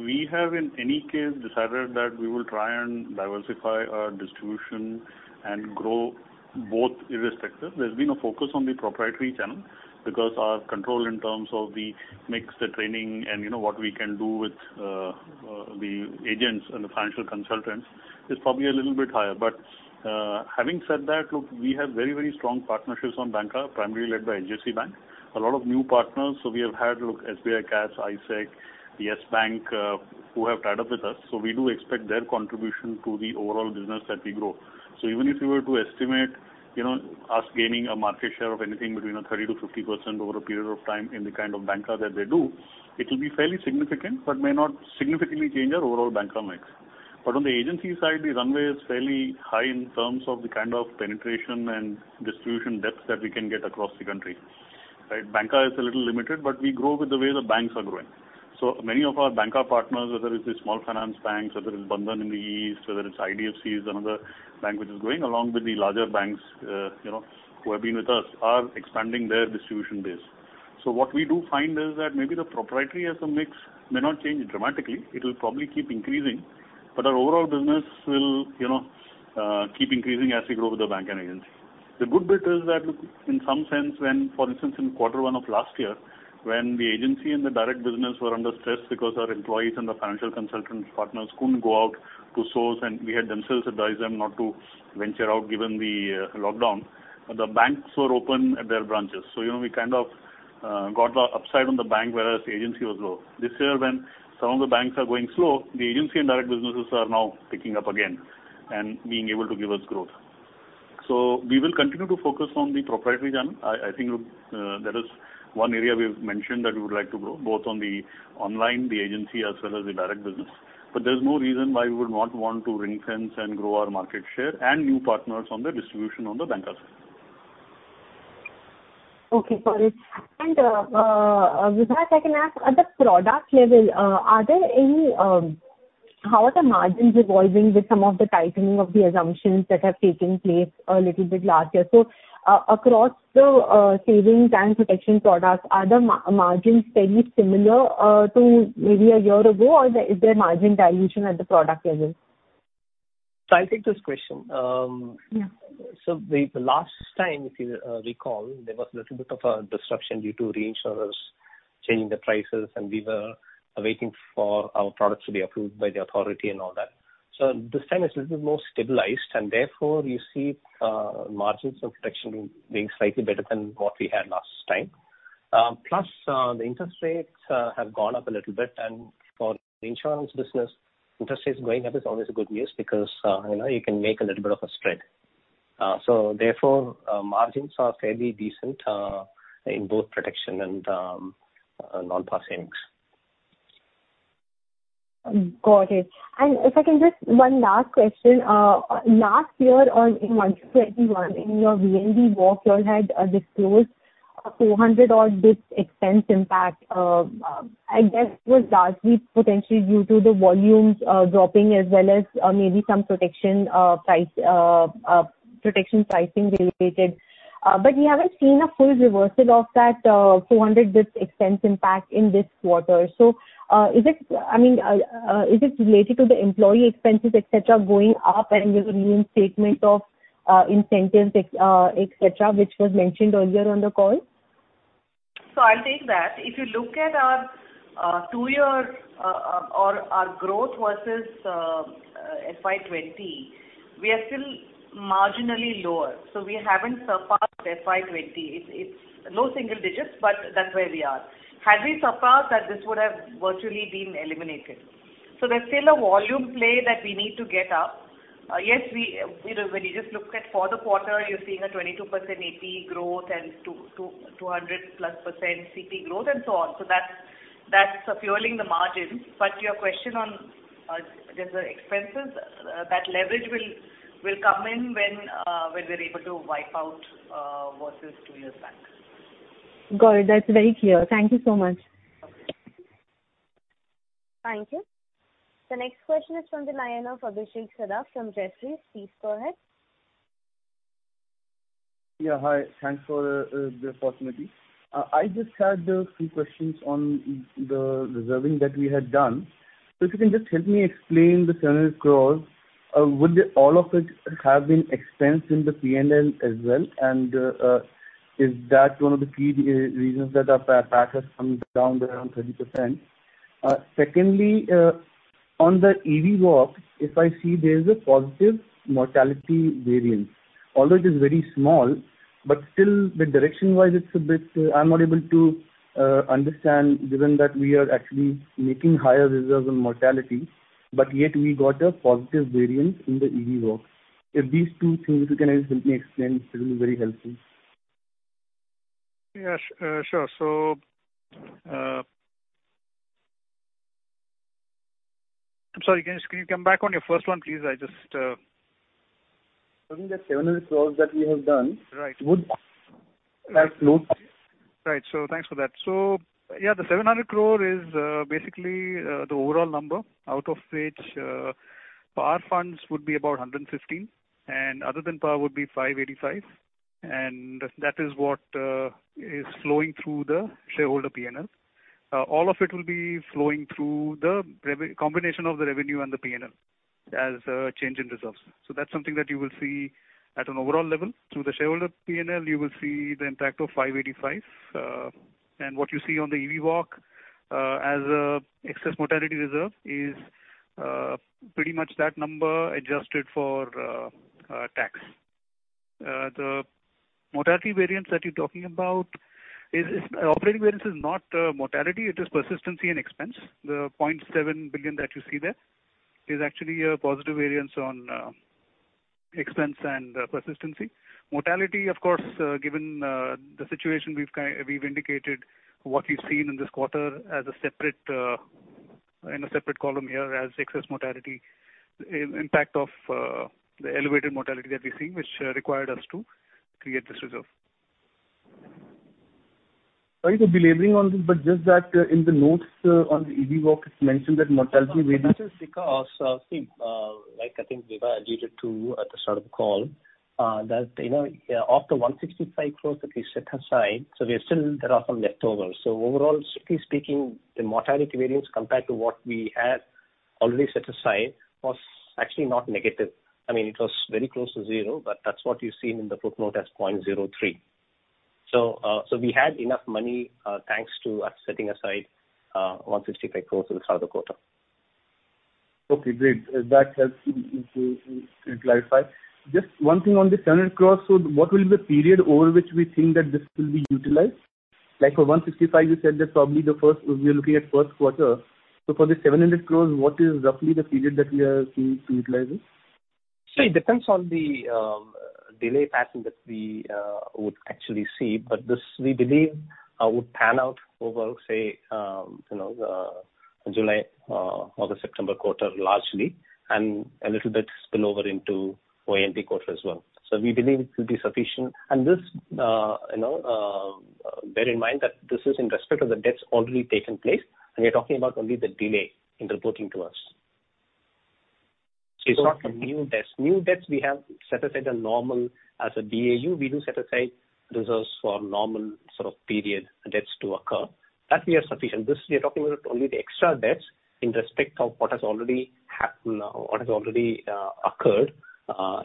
We have in any case decided that we will try and diversify our distribution and grow both irrespective. There's been a focus on the proprietary channel because our control in terms of the mix, the training, and what we can do with the agents and the financial consultants is probably a little bit higher. Having said that, look, we have very strong partnerships on bancassurance primarily led by HDFC Bank. A lot of new partners. We have had SBI, CAS, ASEC, YES Bank who have tied up with us. We do expect their contribution to the overall business that we grow. Even if you were to estimate us gaining a market share of anything between 30% to 50% over a period of time in the kind of bancassurance that they do, it will be fairly significant, but may not significantly change our overall bancassurance mix. On the agency side, the runway is fairly high in terms of the kind of penetration and distribution depth that we can get across the country. Right? Bancassurance is a little limited, but we grow with the way the banks are growing. Many of our bancassurance partners, whether it's the small finance banks, whether it's Bandhan in the East, whether it's IDFC and other bank which is growing along with the larger banks who have been with us are expanding their distribution base. What we do find is that maybe the proprietary as a mix may not change dramatically. It'll probably keep increasing, but our overall business will keep increasing as we grow with the bank and agency. The good bit is that in some sense when, for instance, in quarter one of last year, when the agency and the direct business were under stress because our employees and the financial consultant partners couldn't go out to source and we had themselves advised them not to venture out given the lockdown. The banks were open at their branches. We kind of got the upside on the bank whereas the agency was low. This year when some of the banks are going slow, the agency and direct businesses are now picking up again and being able to give us growth. We will continue to focus on the proprietary channel. I think that is one area we've mentioned that we would like to grow both on the online, the agency, as well as the direct business. There's no reason why we would not want to ring-fence and grow our market share and new partners on the distribution on the banker side. Okay, got it. Vibha, if I can ask at the product level, how are the margins evolving with some of the tightening of the assumptions that have taken place a little bit last year? Across the savings and protection products, are the margins fairly similar to maybe a year ago or is there margin dilution at the product level? I'll take this question. Yeah. The last time, if you recall, there was little bit of a disruption due to reinsurers changing the prices, and we were waiting for our products to be approved by the authority and all that. This time it's a little more stabilized and therefore you see margins of protection being slightly better than what we had last time. Plus, the interest rates have gone up a little bit and for the insurance business, interest rates going up is always good news because you can make a little bit of a spread. Therefore, margins are fairly decent in both protection and non-life savings. Got it. If I can just one last question. Last year in March 2021, in your VNB walk, you had disclosed a 400 odd bps expense impact. I guess it was largely potentially due to the volumes dropping as well as maybe some protection pricing related. We haven't seen a full reversal of that 400 bps expense impact in this quarter. Is it related to the employee expenses et cetera going up and this reinstatement of incentives, et cetera, which was mentioned earlier on the call? I'll take that. If you look at our two-year or our growth versus FY20, we are still marginally lower. We haven't surpassed FY20. It's low single digits, but that's where we are. Had we surpassed that, this would have virtually been eliminated. There's still a volume play that we need to get up. Yes, when you just look at for the quarter, you're seeing a 22% APE growth and 200%+ CP growth and so on. That's fueling the margins. Your question on just the expenses, that leverage will come in when we're able to wipe out versus two years back. Got it. That's very clear. Thank you so much. Okay. Thank you. The next question is from the line of Abhishek Saraf from Jefferies. Please go ahead. Yeah, hi. Thanks for the opportunity. I just had a few questions on the reserving that we had done. If you can just help me explain the 700 crores. Would all of it have been expensed in the P&L as well and is that one of the key reasons that our PAT has come down around 30%? Secondly, on the EV walk, if I see there's a positive mortality variance, although it is very small, but still the direction-wise I'm not able to understand given that we are actually making higher reserves on mortality, but yet we got a positive variance in the EV walk. If these two things you can help me explain, it will be very helpful. Yeah. Sure. I'm sorry, can you come back on your first one, please? I just. I think that's 700 crores that we have done. Right. Would that move? Thanks for that. Yeah, the 700 crore is basically the overall number out of which PAR funds would be about 115 and other than PAR would be 585 and that is what is flowing through the shareholder P&L. All of it will be flowing through the combination of the revenue and the P&L as a change in reserves. That's something that you will see at an overall level through the shareholder P&L, you will see the impact of 585. What you see on the EV walk as excess mortality reserve is pretty much that number adjusted for tax. The mortality variance that you're talking about. Operating variance is not mortality, it is persistency and expense. The 0.7 billion that you see there is actually a positive variance on expense and persistency. Mortality, of course, given the situation we've indicated what we've seen in this quarter in a separate column here as excess mortality impact of the elevated mortality that we're seeing, which required us to create this reserve. Sorry to be laboring on this, just that in the notes on the EV walk, it's mentioned that mortality variance- This is because I think, like I think Vibha Padalkar alluded to at the start of the call, that of the 165 crores that we set aside, there are some left over. Overall, strictly speaking, the mortality variance compared to what we had already set aside was actually not negative. It was very close to zero, but that's what you've seen in the footnote as 0.03. We had enough money thanks to us setting aside 165 crores for the quarter. Okay, great. That helps to clarify. Just one thing on the INR 700 crores. What will be the period over which we think that this will be utilized? Like for 165, you said that probably we're looking at first quarter. For the 700 crores, what is roughly the period that we are seeing to utilize this? It depends on the delay pattern that we would actually see. This we believe would pan out over July, August, September quarter largely, and a little bit spill over into YTD quarter as well. We believe it will be sufficient and bear in mind that this is in respect of the deaths already taken place, and we are talking about only the delay in reporting to us. It's not the new deaths. New deaths we have set aside a normal, as a BAU, we do set aside reserves for normal sort of period deaths to occur. That we are sufficient. This we are talking about only the extra deaths in respect of what has already occurred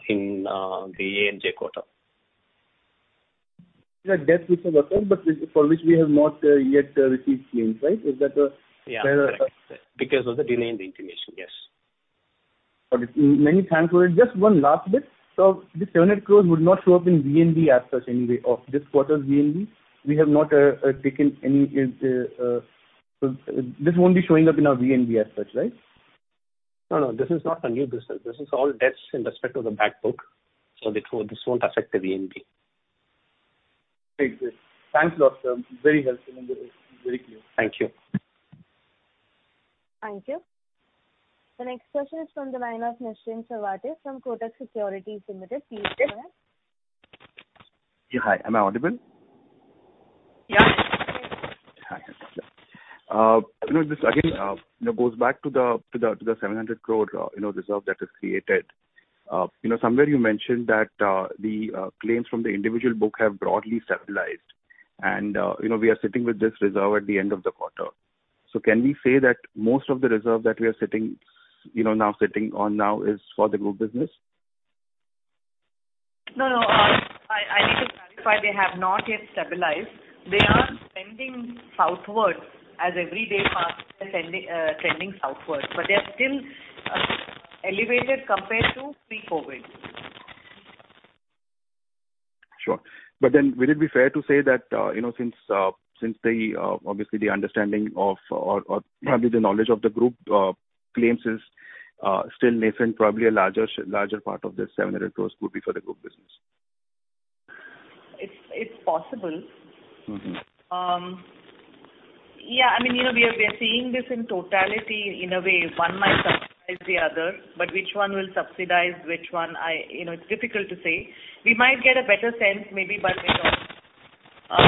in the ANJ quarter. The deaths which have occurred but for which we have not yet received claims, right? Is that the- Yeah. Correct. Because of the delay in the intimation. Yes. Got it. Many thanks for it. Just one last bit. This 700 crores would not show up in VNB as such anyway of this quarter's VNB, this won't be showing up in our VNB as such, right? No, no, this is not a new business. This is all deaths in respect of the back book. This won't affect the VNB. Great. Thanks a lot, sir. Very helpful and very clear. Thank you. Thank you. The next question is from the line of Nischint Chawathe from Kotak Securities Limited. Please go ahead. Yeah. Hi. Am I audible? Yeah. Hi. This again goes back to the 700 crore reserve that is created. Somewhere you mentioned that the claims from the individual book have broadly stabilized and we are sitting with this reserve at the end of the quarter. Can we say that most of the reserve that we are now sitting on now is for the group business? No, no. I need to clarify. They have not yet stabilized. They are trending southwards as every day passes they are trending southwards, they are still elevated compared to pre-COVID. Sure. Would it be fair to say that since obviously the understanding of, or probably the knowledge of the group claims is still nascent, probably a larger part of this 700 crores could be for the group business? It's possible. Yeah. We are seeing this in totality in a way one might subsidize the other, but which one will subsidize which one, it's difficult to say. We might get a better sense maybe by mid-year.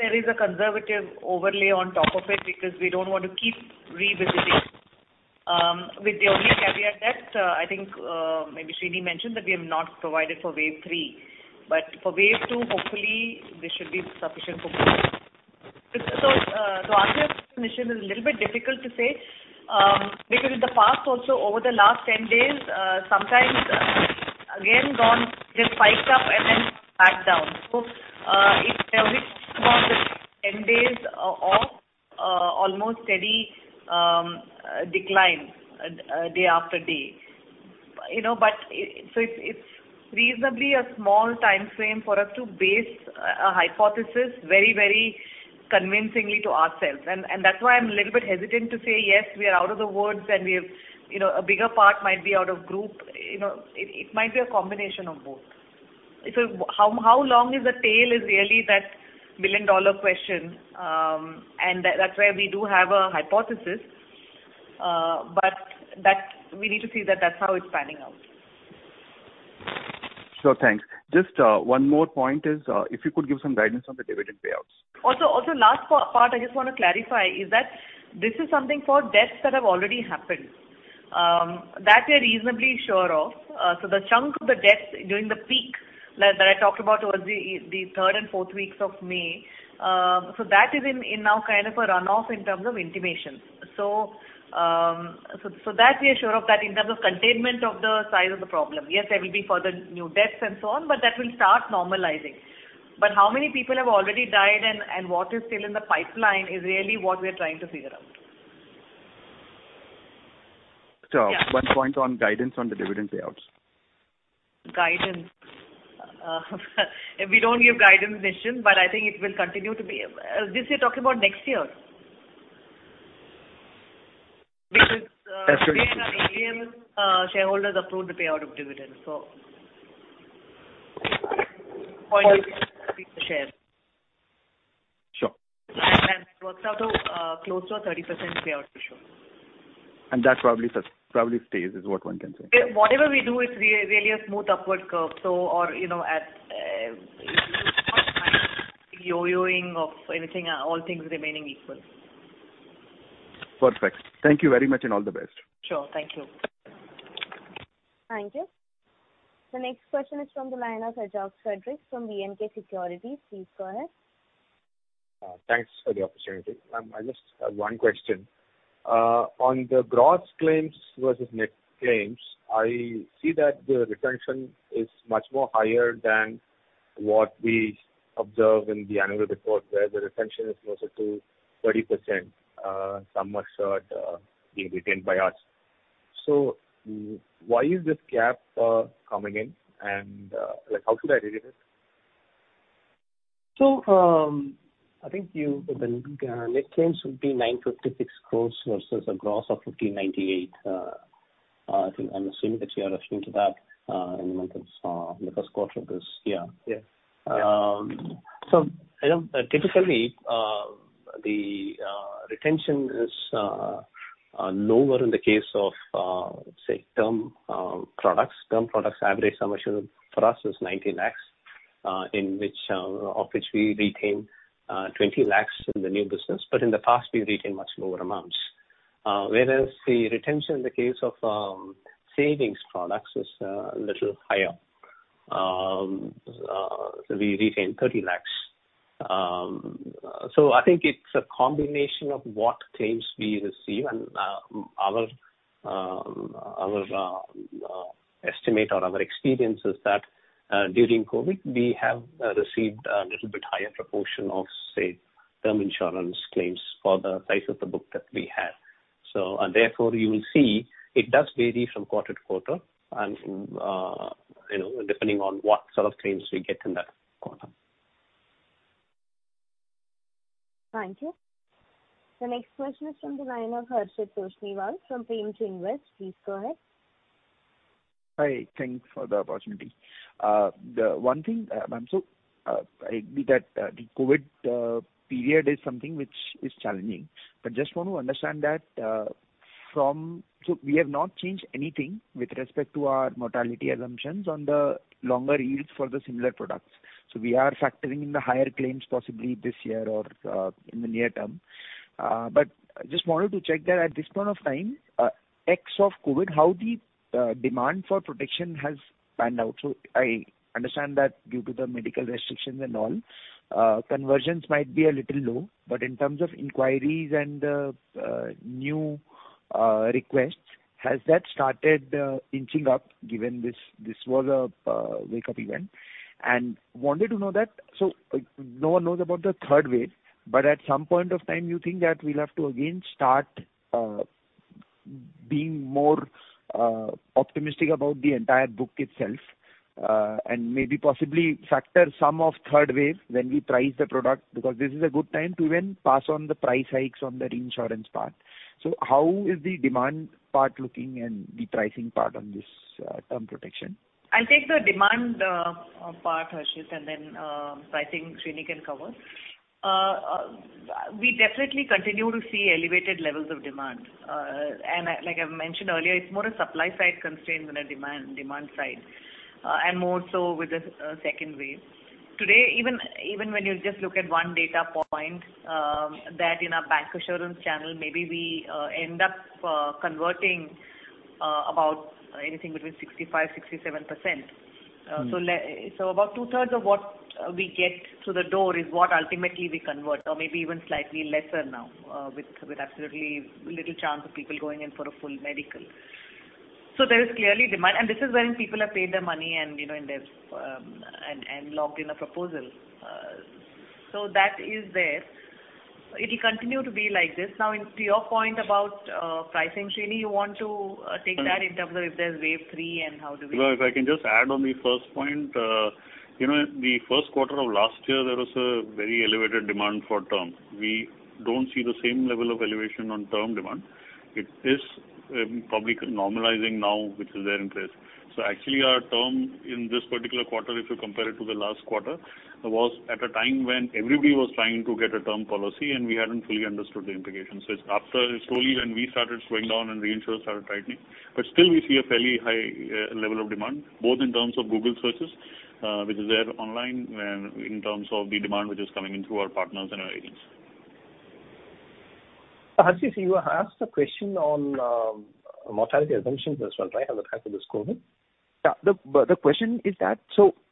There is a conservative overlay on top of it because we don't want to keep revisiting with the only caveat that I think maybe Srini mentioned that we have not provided for wave three. For wave two, hopefully this should be sufficient for wave two. To answer your question Nishchint is a little bit difficult to say because in the past also over the last 10 days sometimes again gone, they've spiked up and then back down. It's a mix of the 10 days of almost steady decline day after day. It's reasonably a small timeframe for us to base a hypothesis very, very convincingly to ourselves. That's why I'm a little bit hesitant to say yes, we are out of the woods and a bigger part might be out of group. It might be a combination of both. How long is the tail is really that million-dollar question. That's where we do have a hypothesis, but we need to see that that's how it's panning out. Sure. Thanks. Just one more point is if you could give some guidance on the dividend payouts. Last part I just want to clarify is that this is something for deaths that have already happened. That we are reasonably sure of. The chunk of the deaths during the peak that I talked about towards the third and fourth weeks of May so that is in now kind of a runoff in terms of intimations. That we are sure of that in terms of containment of the size of the problem. Yes, there will be further new deaths and so on but that will start normalizing. How many people have already died and what is still in the pipeline is really what we're trying to figure out. One point on guidance on the dividend payouts. Guidance. We don't give guidance Nischint but I think it will continue to be. This you're talking about next year? That's what it is. Recently AGM shareholders approved the payout of dividend. Sure. That works out to close to a 30% payout ratio. That probably stays is what one can say. Whatever we do it's really a smooth upward curve so or at yo-yoing of anything all things remaining equal. Perfect. Thank you very much and all the best. Sure. Thank you. Thank you. The next question is from the line of Ajag Frederick from B&K Securities. Please go ahead. Thanks for the opportunity. I just have one question. On the gross claims versus net claims, I see that the retention is much more higher than what we observe in the annual report where the retention is closer to 30%, some are being retained by us. Why is this gap coming in and how should I read it? I think the net claims would be 956 crores versus a gross of 1,598 crores. I'm assuming that you are referring to that in the first quarter of this year. Yeah. Typically, the retention is lower in the case of, let's say, term products. Term products average sum assured for us is 19 lakhs, of which we retain 20 lakhs in the new business. In the past, we've retained much lower amounts. Whereas the retention in the case of savings products is a little higher. We retain 30 lakhs. I think it's a combination of what claims we receive and our estimate or our experience is that during COVID, we have received a little bit higher proportion of, say, term insurance claims for the size of the book that we have. Therefore, you will see it does vary from quarter to quarter and depending on what sort of claims we get in that quarter. Thank you. The next question is from the line of Harshit Toshniwal from Premji Invest. Please go ahead. Hi, thanks for the opportunity. One thing, ma'am. The COVID period is something which is challenging, but just want to understand that we have not changed anything with respect to our mortality assumptions on the longer yields for the similar products. We are factoring in the higher claims possibly this year or in the near term. Just wanted to check that at this point of time, X of COVID, how the demand for protection has panned out. I understand that due to the medical restrictions and all, conversions might be a little low, but in terms of inquiries and new requests, has that started inching up given this was a wake-up event? No one knows about the third wave, but at some point of time, you think that we'll have to again start being more optimistic about the entire book itself, and maybe possibly factor some of third wave when we price the product because this is a good time to even pass on the price hikes on the reinsurance part. How is the demand part looking and the pricing part on this term protection? I'll take the demand part, Harshit, and then pricing Srini can cover. We definitely continue to see elevated levels of demand. Like I mentioned earlier, it's more a supply side constraint than a demand side, and more so with the second wave. Today, even when you just look at one data point that in our bancassurance channel, maybe we end up converting about anything between 65%-67%. About two-thirds of what we get through the door is what ultimately we convert or maybe even slightly lesser now with absolutely little chance of people going in for a full medical. There is clearly demand and this is when people have paid their money and logged in a proposal. That is there. It will continue to be like this. To your point about pricing, Srini, you want to take that in terms of if there's wave three. If I can just add on the first point. In the first quarter of last year, there was a very elevated demand for term. We don't see the same level of elevation on term demand. It is probably normalizing now, which is there in place. Actually our term in this particular quarter, if you compare it to the last quarter, was at a time when everybody was trying to get a term policy and we hadn't fully understood the implications. It's after slowly when we started slowing down and reinsurers started tightening. Still we see a fairly high level of demand, both in terms of Google searches which is there online and in terms of the demand which is coming in through our partners and our agents. Harshit, you asked a question on mortality assumptions as well, right, as regards to this COVID? Yeah. The question is that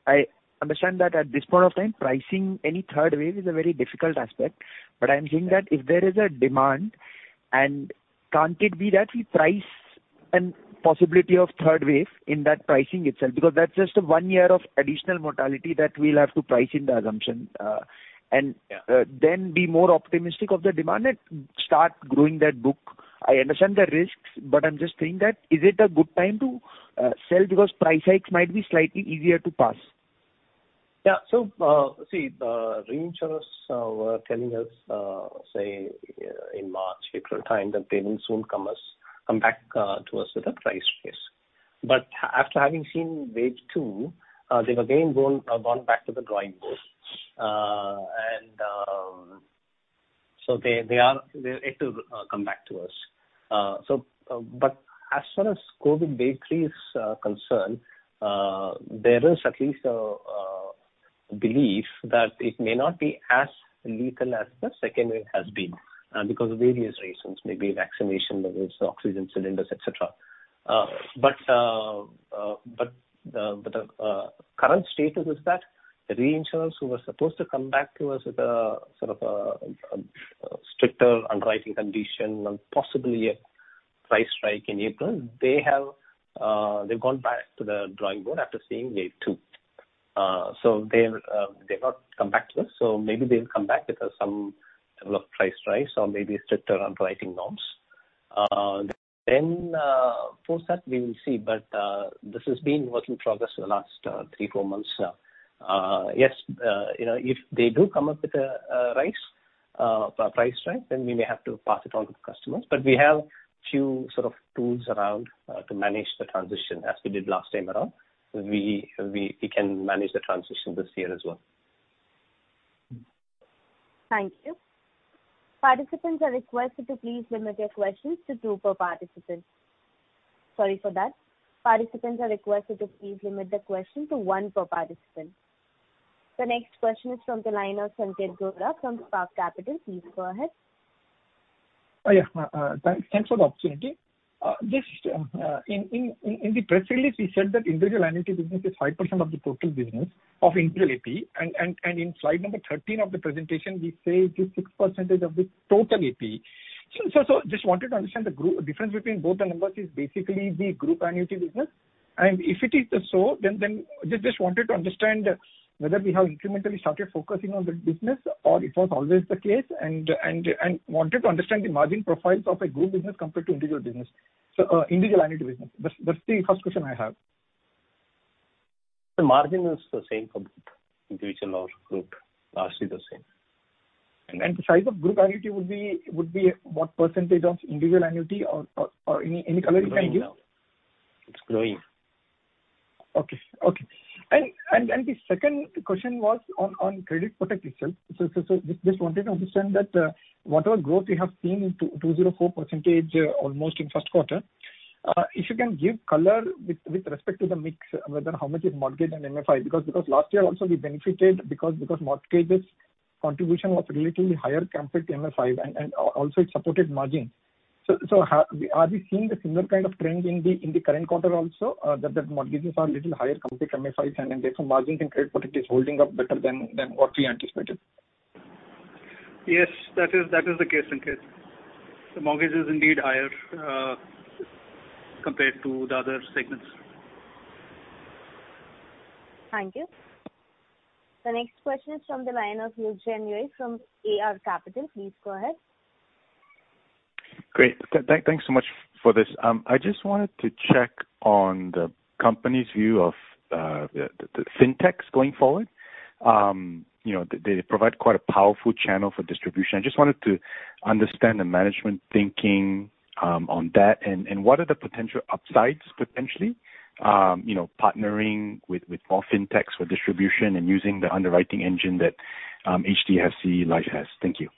I understand that at this point of time, pricing any third wave is a very difficult aspect, but I'm saying that if there is a demand and can't it be that we price a possibility of third wave in that pricing itself because that's just a one year of additional mortality that we'll have to price in the assumption and then be more optimistic of the demand and start growing that book. I understand the risks, but I'm just saying that is it a good time to sell because price hikes might be slightly easier to pass. Yeah. See, the reinsurers were telling us say in March, April time that they will soon come back to us with a price increase. After having seen wave two, they've again gone back to the drawing board. They are yet to come back to us. As far as COVID wave three is concerned there is at least a belief that it may not be as lethal as the second wave has been because of various reasons, maybe vaccination levels, oxygen cylinders, et cetera. The current status is that the reinsurers who were supposed to come back to us with a sort of a stricter underwriting condition and possibly a price hike in April, they've gone back to the drawing board after seeing wave two. They've not come back to us. Maybe they'll come back with some level of price rise or maybe stricter underwriting norms. For that, we will see. This has been work in progress for the last three, four months now. Yes, if they do come up with a price hike, then we may have to pass it on to the customers. We have few tools around to manage the transition as we did last time around. We can manage the transition this year as well. Thank you. Participants are requested to please limit your questions to two per participant. Sorry for that. Participants are requested to please limit the question to one per participant. The next question is from the line of Sanketh Godha from Barclays Capital. Please go ahead. Yeah. Thanks for the opportunity. Just in the press release, we said that individual annuity business is 5% of the total business of integral AP. In slide number 13 of the presentation, we say it is 6% of the total AP. Just wanted to understand the difference between both the numbers is basically the group annuity business. If it is so, just wanted to understand whether we have incrementally started focusing on the business or it was always the case and wanted to understand the margin profiles of a group business compared to individual business. Individual annuity business. That's the first question I have. The margin is the same for group. Individual or group, largely the same. The size of group annuity would be what % of individual annuity or any color you can give? It's growing now. It's growing. Okay. The second question was on credit protection. Just wanted to understand that whatever growth we have seen is 204% almost in first quarter. If you can give color with respect to the mix, whether how much is mortgage and MFI, because last year also we benefited because mortgages contribution was relatively higher compared to MFIs and also it supported margin. Are we seeing the similar kind of trend in the current quarter also that mortgages are little higher compared to MFIs and therefore margin in credit protection is holding up better than what we anticipated? Yes, that is the case in credit. The mortgage is indeed higher compared to the other segments. Thank you. The next question is from the line of Eugene Yue from AR Capital. Please go ahead. Great. Thanks so much for this. I just wanted to check on the company's view of the FinTechs going forward. They provide quite a powerful channel for distribution. I just wanted to understand the management thinking on that and what are the potential upsides potentially partnering with more FinTechs for distribution and using the underwriting engine that HDFC Life has. Thank you.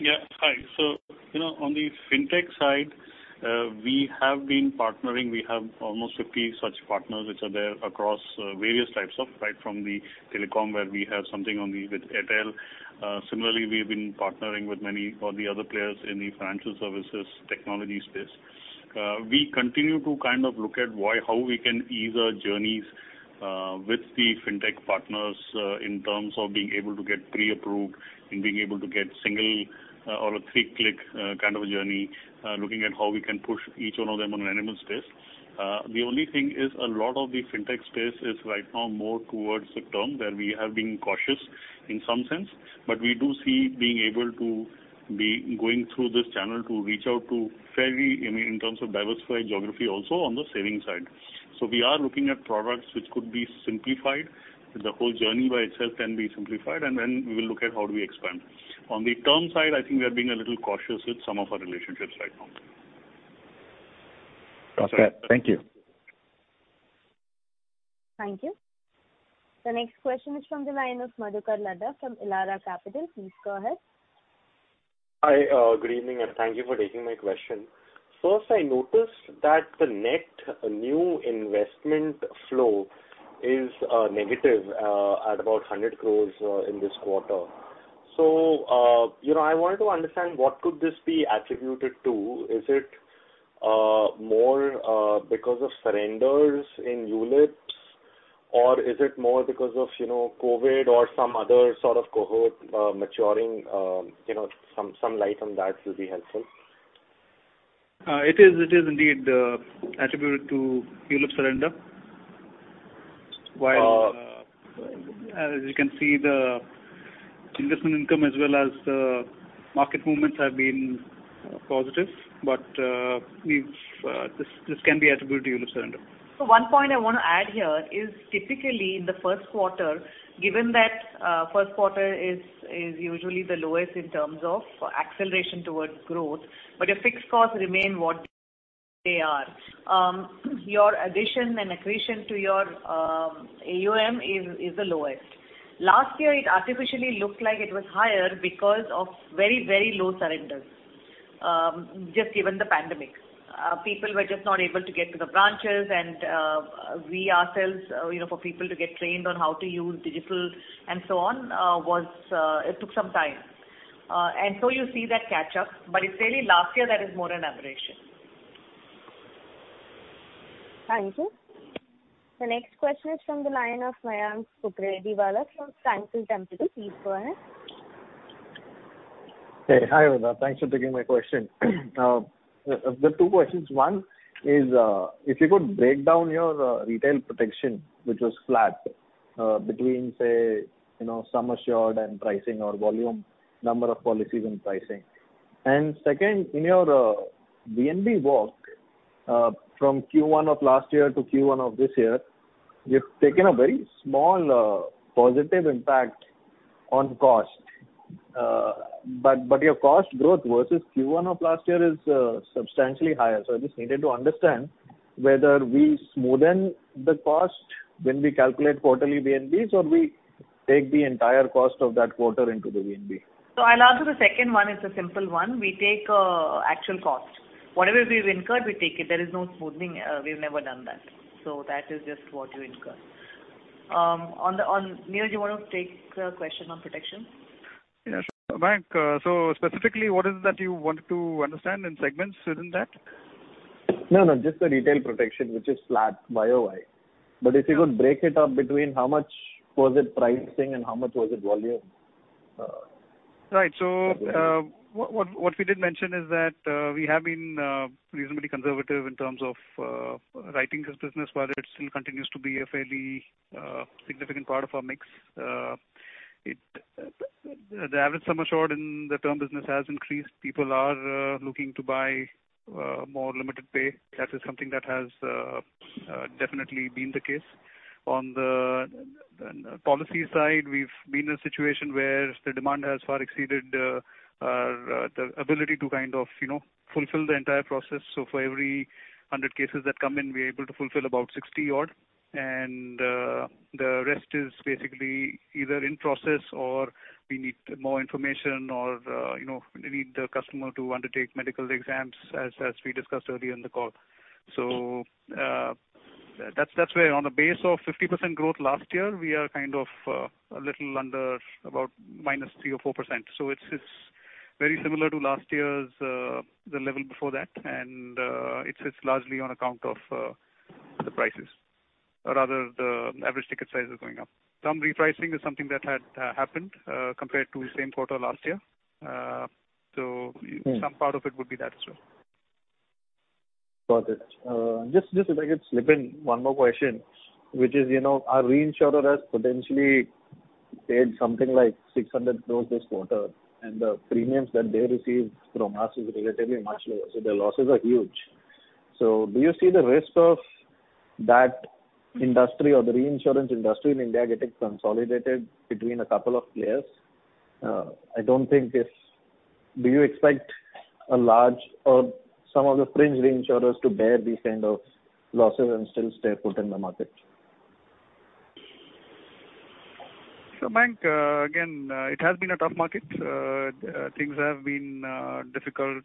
Yeah. Hi. On the FinTech side, we have been partnering. We have almost 50 such partners which are there across various types of tech, from the telecom where we have something with Airtel. Similarly, we have been partnering with many of the other players in the financial services technology space. We continue to kind of look at how we can ease our journeys with the FinTech partners in terms of being able to get pre-approved and being able to get single or a three-click kind of a journey, looking at how we can push each one of them on an annual basis. The only thing is a lot of the FinTech space is right now more towards the term where we have been cautious in some sense. We do see being able to be going through this channel to reach out to fairly in terms of diversified geography also on the saving side. We are looking at products which could be simplified. The whole journey by itself can be simplified. Then we will look at how do we expand. On the term side, I think we are being a little cautious with some of our relationships right now. Okay. Thank you. Thank you. The next question is from the line of Madhukar Ladha from Elara Capital. Please go ahead. Hi. Good evening, and thank you for taking my question. First, I noticed that the net new investment flow is negative at about 100 crores in this quarter. I wanted to understand what could this be attributed to. Is it more because of surrenders in ULIPs or is it more because of COVID or some other sort of cohort maturing? Some light on that will be helpful. It is indeed attributed to ULIP surrender. While as you can see, the investment income as well as the market movements have been positive. This can be attributed to ULIP surrender. One point I want to add here is typically in the first quarter, given that first quarter is usually the lowest in terms of acceleration towards growth, but your fixed costs remain what they are. Your addition and accretion to your AUM is the lowest. Last year, it artificially looked like it was higher because of very low surrenders, just given the pandemic. People were just not able to get to the branches and we ourselves, for people to get trained on how to use digital and so on, it took some time. You see that catch-up, but it's really last year that is more an aberration. Thank you. The next question is from the line of Mayank Bukrediwala from Franklin Templeton. Please go ahead. Hi, Vibha Padalkar. Thanks for taking my question. There are two questions. One is if you could break down your retail protection, which was flat between, say, sum assured and pricing or volume, number of policies and pricing. Second, in your VNB work from Q1 of last year to Q1 of this year, you've taken a very small positive impact on cost. Your cost growth versus Q1 of last year is substantially higher. I just needed to understand whether we smoothen the cost when we calculate quarterly VNBs or we take the entire cost of that quarter into the VNB. I'll answer the second one, it's a simple one. We take actual cost. Whatever we've incurred, we take it. There is no smoothing. We've never done that. That is just what you incur. Niraj, do you want to take the question on protection? Yeah, sure. Mayank, specifically what is it that you wanted to understand in segments within that? No, no, just the retail protection, which is flat YOY. If you could break it up between how much was it pricing and how much was it volume? Right. What we did mention is that we have been reasonably conservative in terms of writing this business while it still continues to be a fairly significant part of our mix. The average sum assured in the term business has increased. People are looking to buy more limited pay. That is something that has definitely been the case. On the policy side, we've been in a situation where the demand has far exceeded our ability to fulfill the entire process. For every 100 cases that come in, we're able to fulfill about 60 odd, and the rest is basically either in process or we need more information or we need the customer to undertake medical exams, as we discussed earlier in the call. That's where on a base of 50% growth last year, we are a little under about -3% or 4%. It's very similar to last year's, the level before that. It sits largely on account of the prices or rather, the average ticket size is going up. Some repricing is something that had happened compared to the same quarter last year. Some part of it would be that as well. Got it. Just if I could slip in one more question, which is our reinsurer has potentially paid something like 600 crores this quarter, and the premiums that they receive from us is relatively much lower, so their losses are huge. Do you see the risk of that industry or the reinsurance industry in India getting consolidated between a couple of players? Do you expect a large or some of the fringe reinsurers to bear these kind of losses and still stay put in the market? Mayank, again, it has been a tough market. Things have been difficult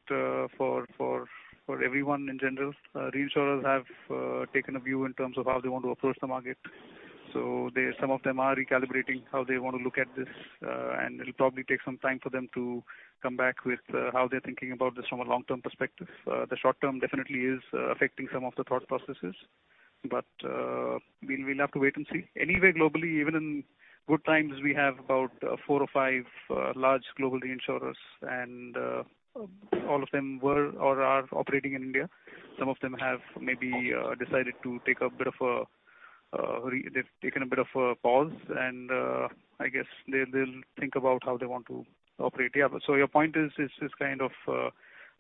for everyone in general. Reinsurers have taken a view in terms of how they want to approach the market. Some of them are recalibrating how they want to look at this, and it'll probably take some time for them to come back with how they're thinking about this from a long-term perspective. The short-term definitely is affecting some of the thought processes. We'll have to wait and see. Anyway, globally, even in good times, we have about four or five large global reinsurers and all of them were or are operating in India. Some of them have maybe decided to take a bit of a pause and I guess they'll think about how they want to operate. Yeah. Your point is kind of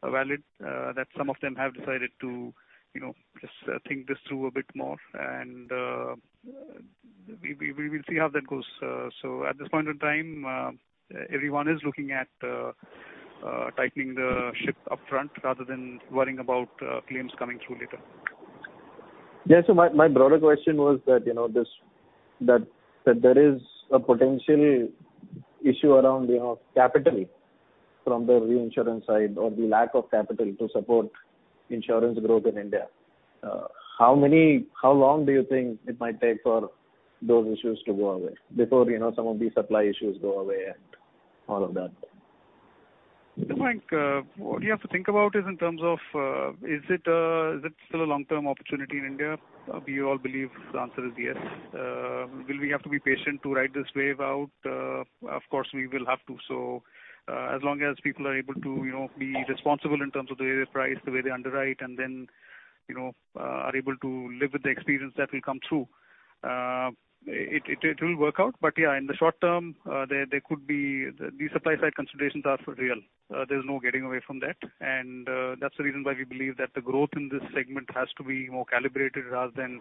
valid that some of them have decided to just think this through a bit more and we will see how that goes. At this point in time, everyone is looking at tightening the ship upfront rather than worrying about claims coming through later. Yeah. My broader question was that there is a potential issue around capital from the reinsurance side or the lack of capital to support insurance growth in India. How long do you think it might take for those issues to go away before some of these supply issues go away and all of that? Look, Mayank, what you have to think about is in terms of is it still a long-term opportunity in India? We all believe the answer is yes. Will we have to be patient to ride this wave out? Of course, we will have to. As long as people are able to be responsible in terms of the way they price, the way they underwrite, and then are able to live with the experience that will come through, it will work out. Yeah, in the short term, these supply-side considerations are for real. There's no getting away from that and that's the reason why we believe that the growth in this segment has to be more calibrated rather than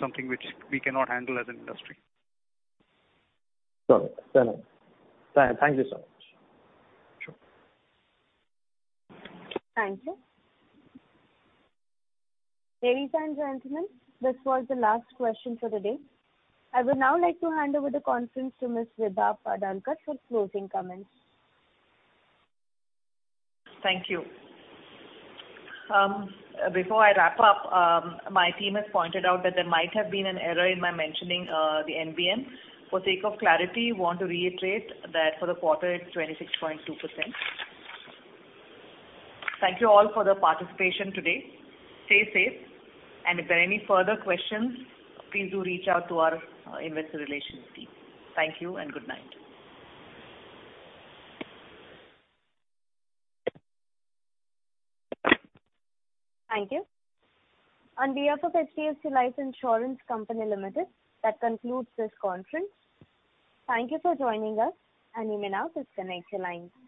something which we cannot handle as an industry. Got it. Fair enough. Thank you so much. Sure. Thank you. Ladies and gentlemen, this was the last question for the day. I would now like to hand over the conference to Ms. Vibha Padalkar for closing comments. Thank you. Before I wrap up, my team has pointed out that there might have been an error in my mentioning the NBM. For sake of clarity, want to reiterate that for the quarter it's 26.2%. Thank you all for the participation today. Stay safe and if there are any further questions, please do reach out to our investor relations team. Thank you and good night. Thank you. On behalf of HDFC Life Insurance Company Limited, that concludes this conference. Thank you for joining us and you may now disconnect your lines.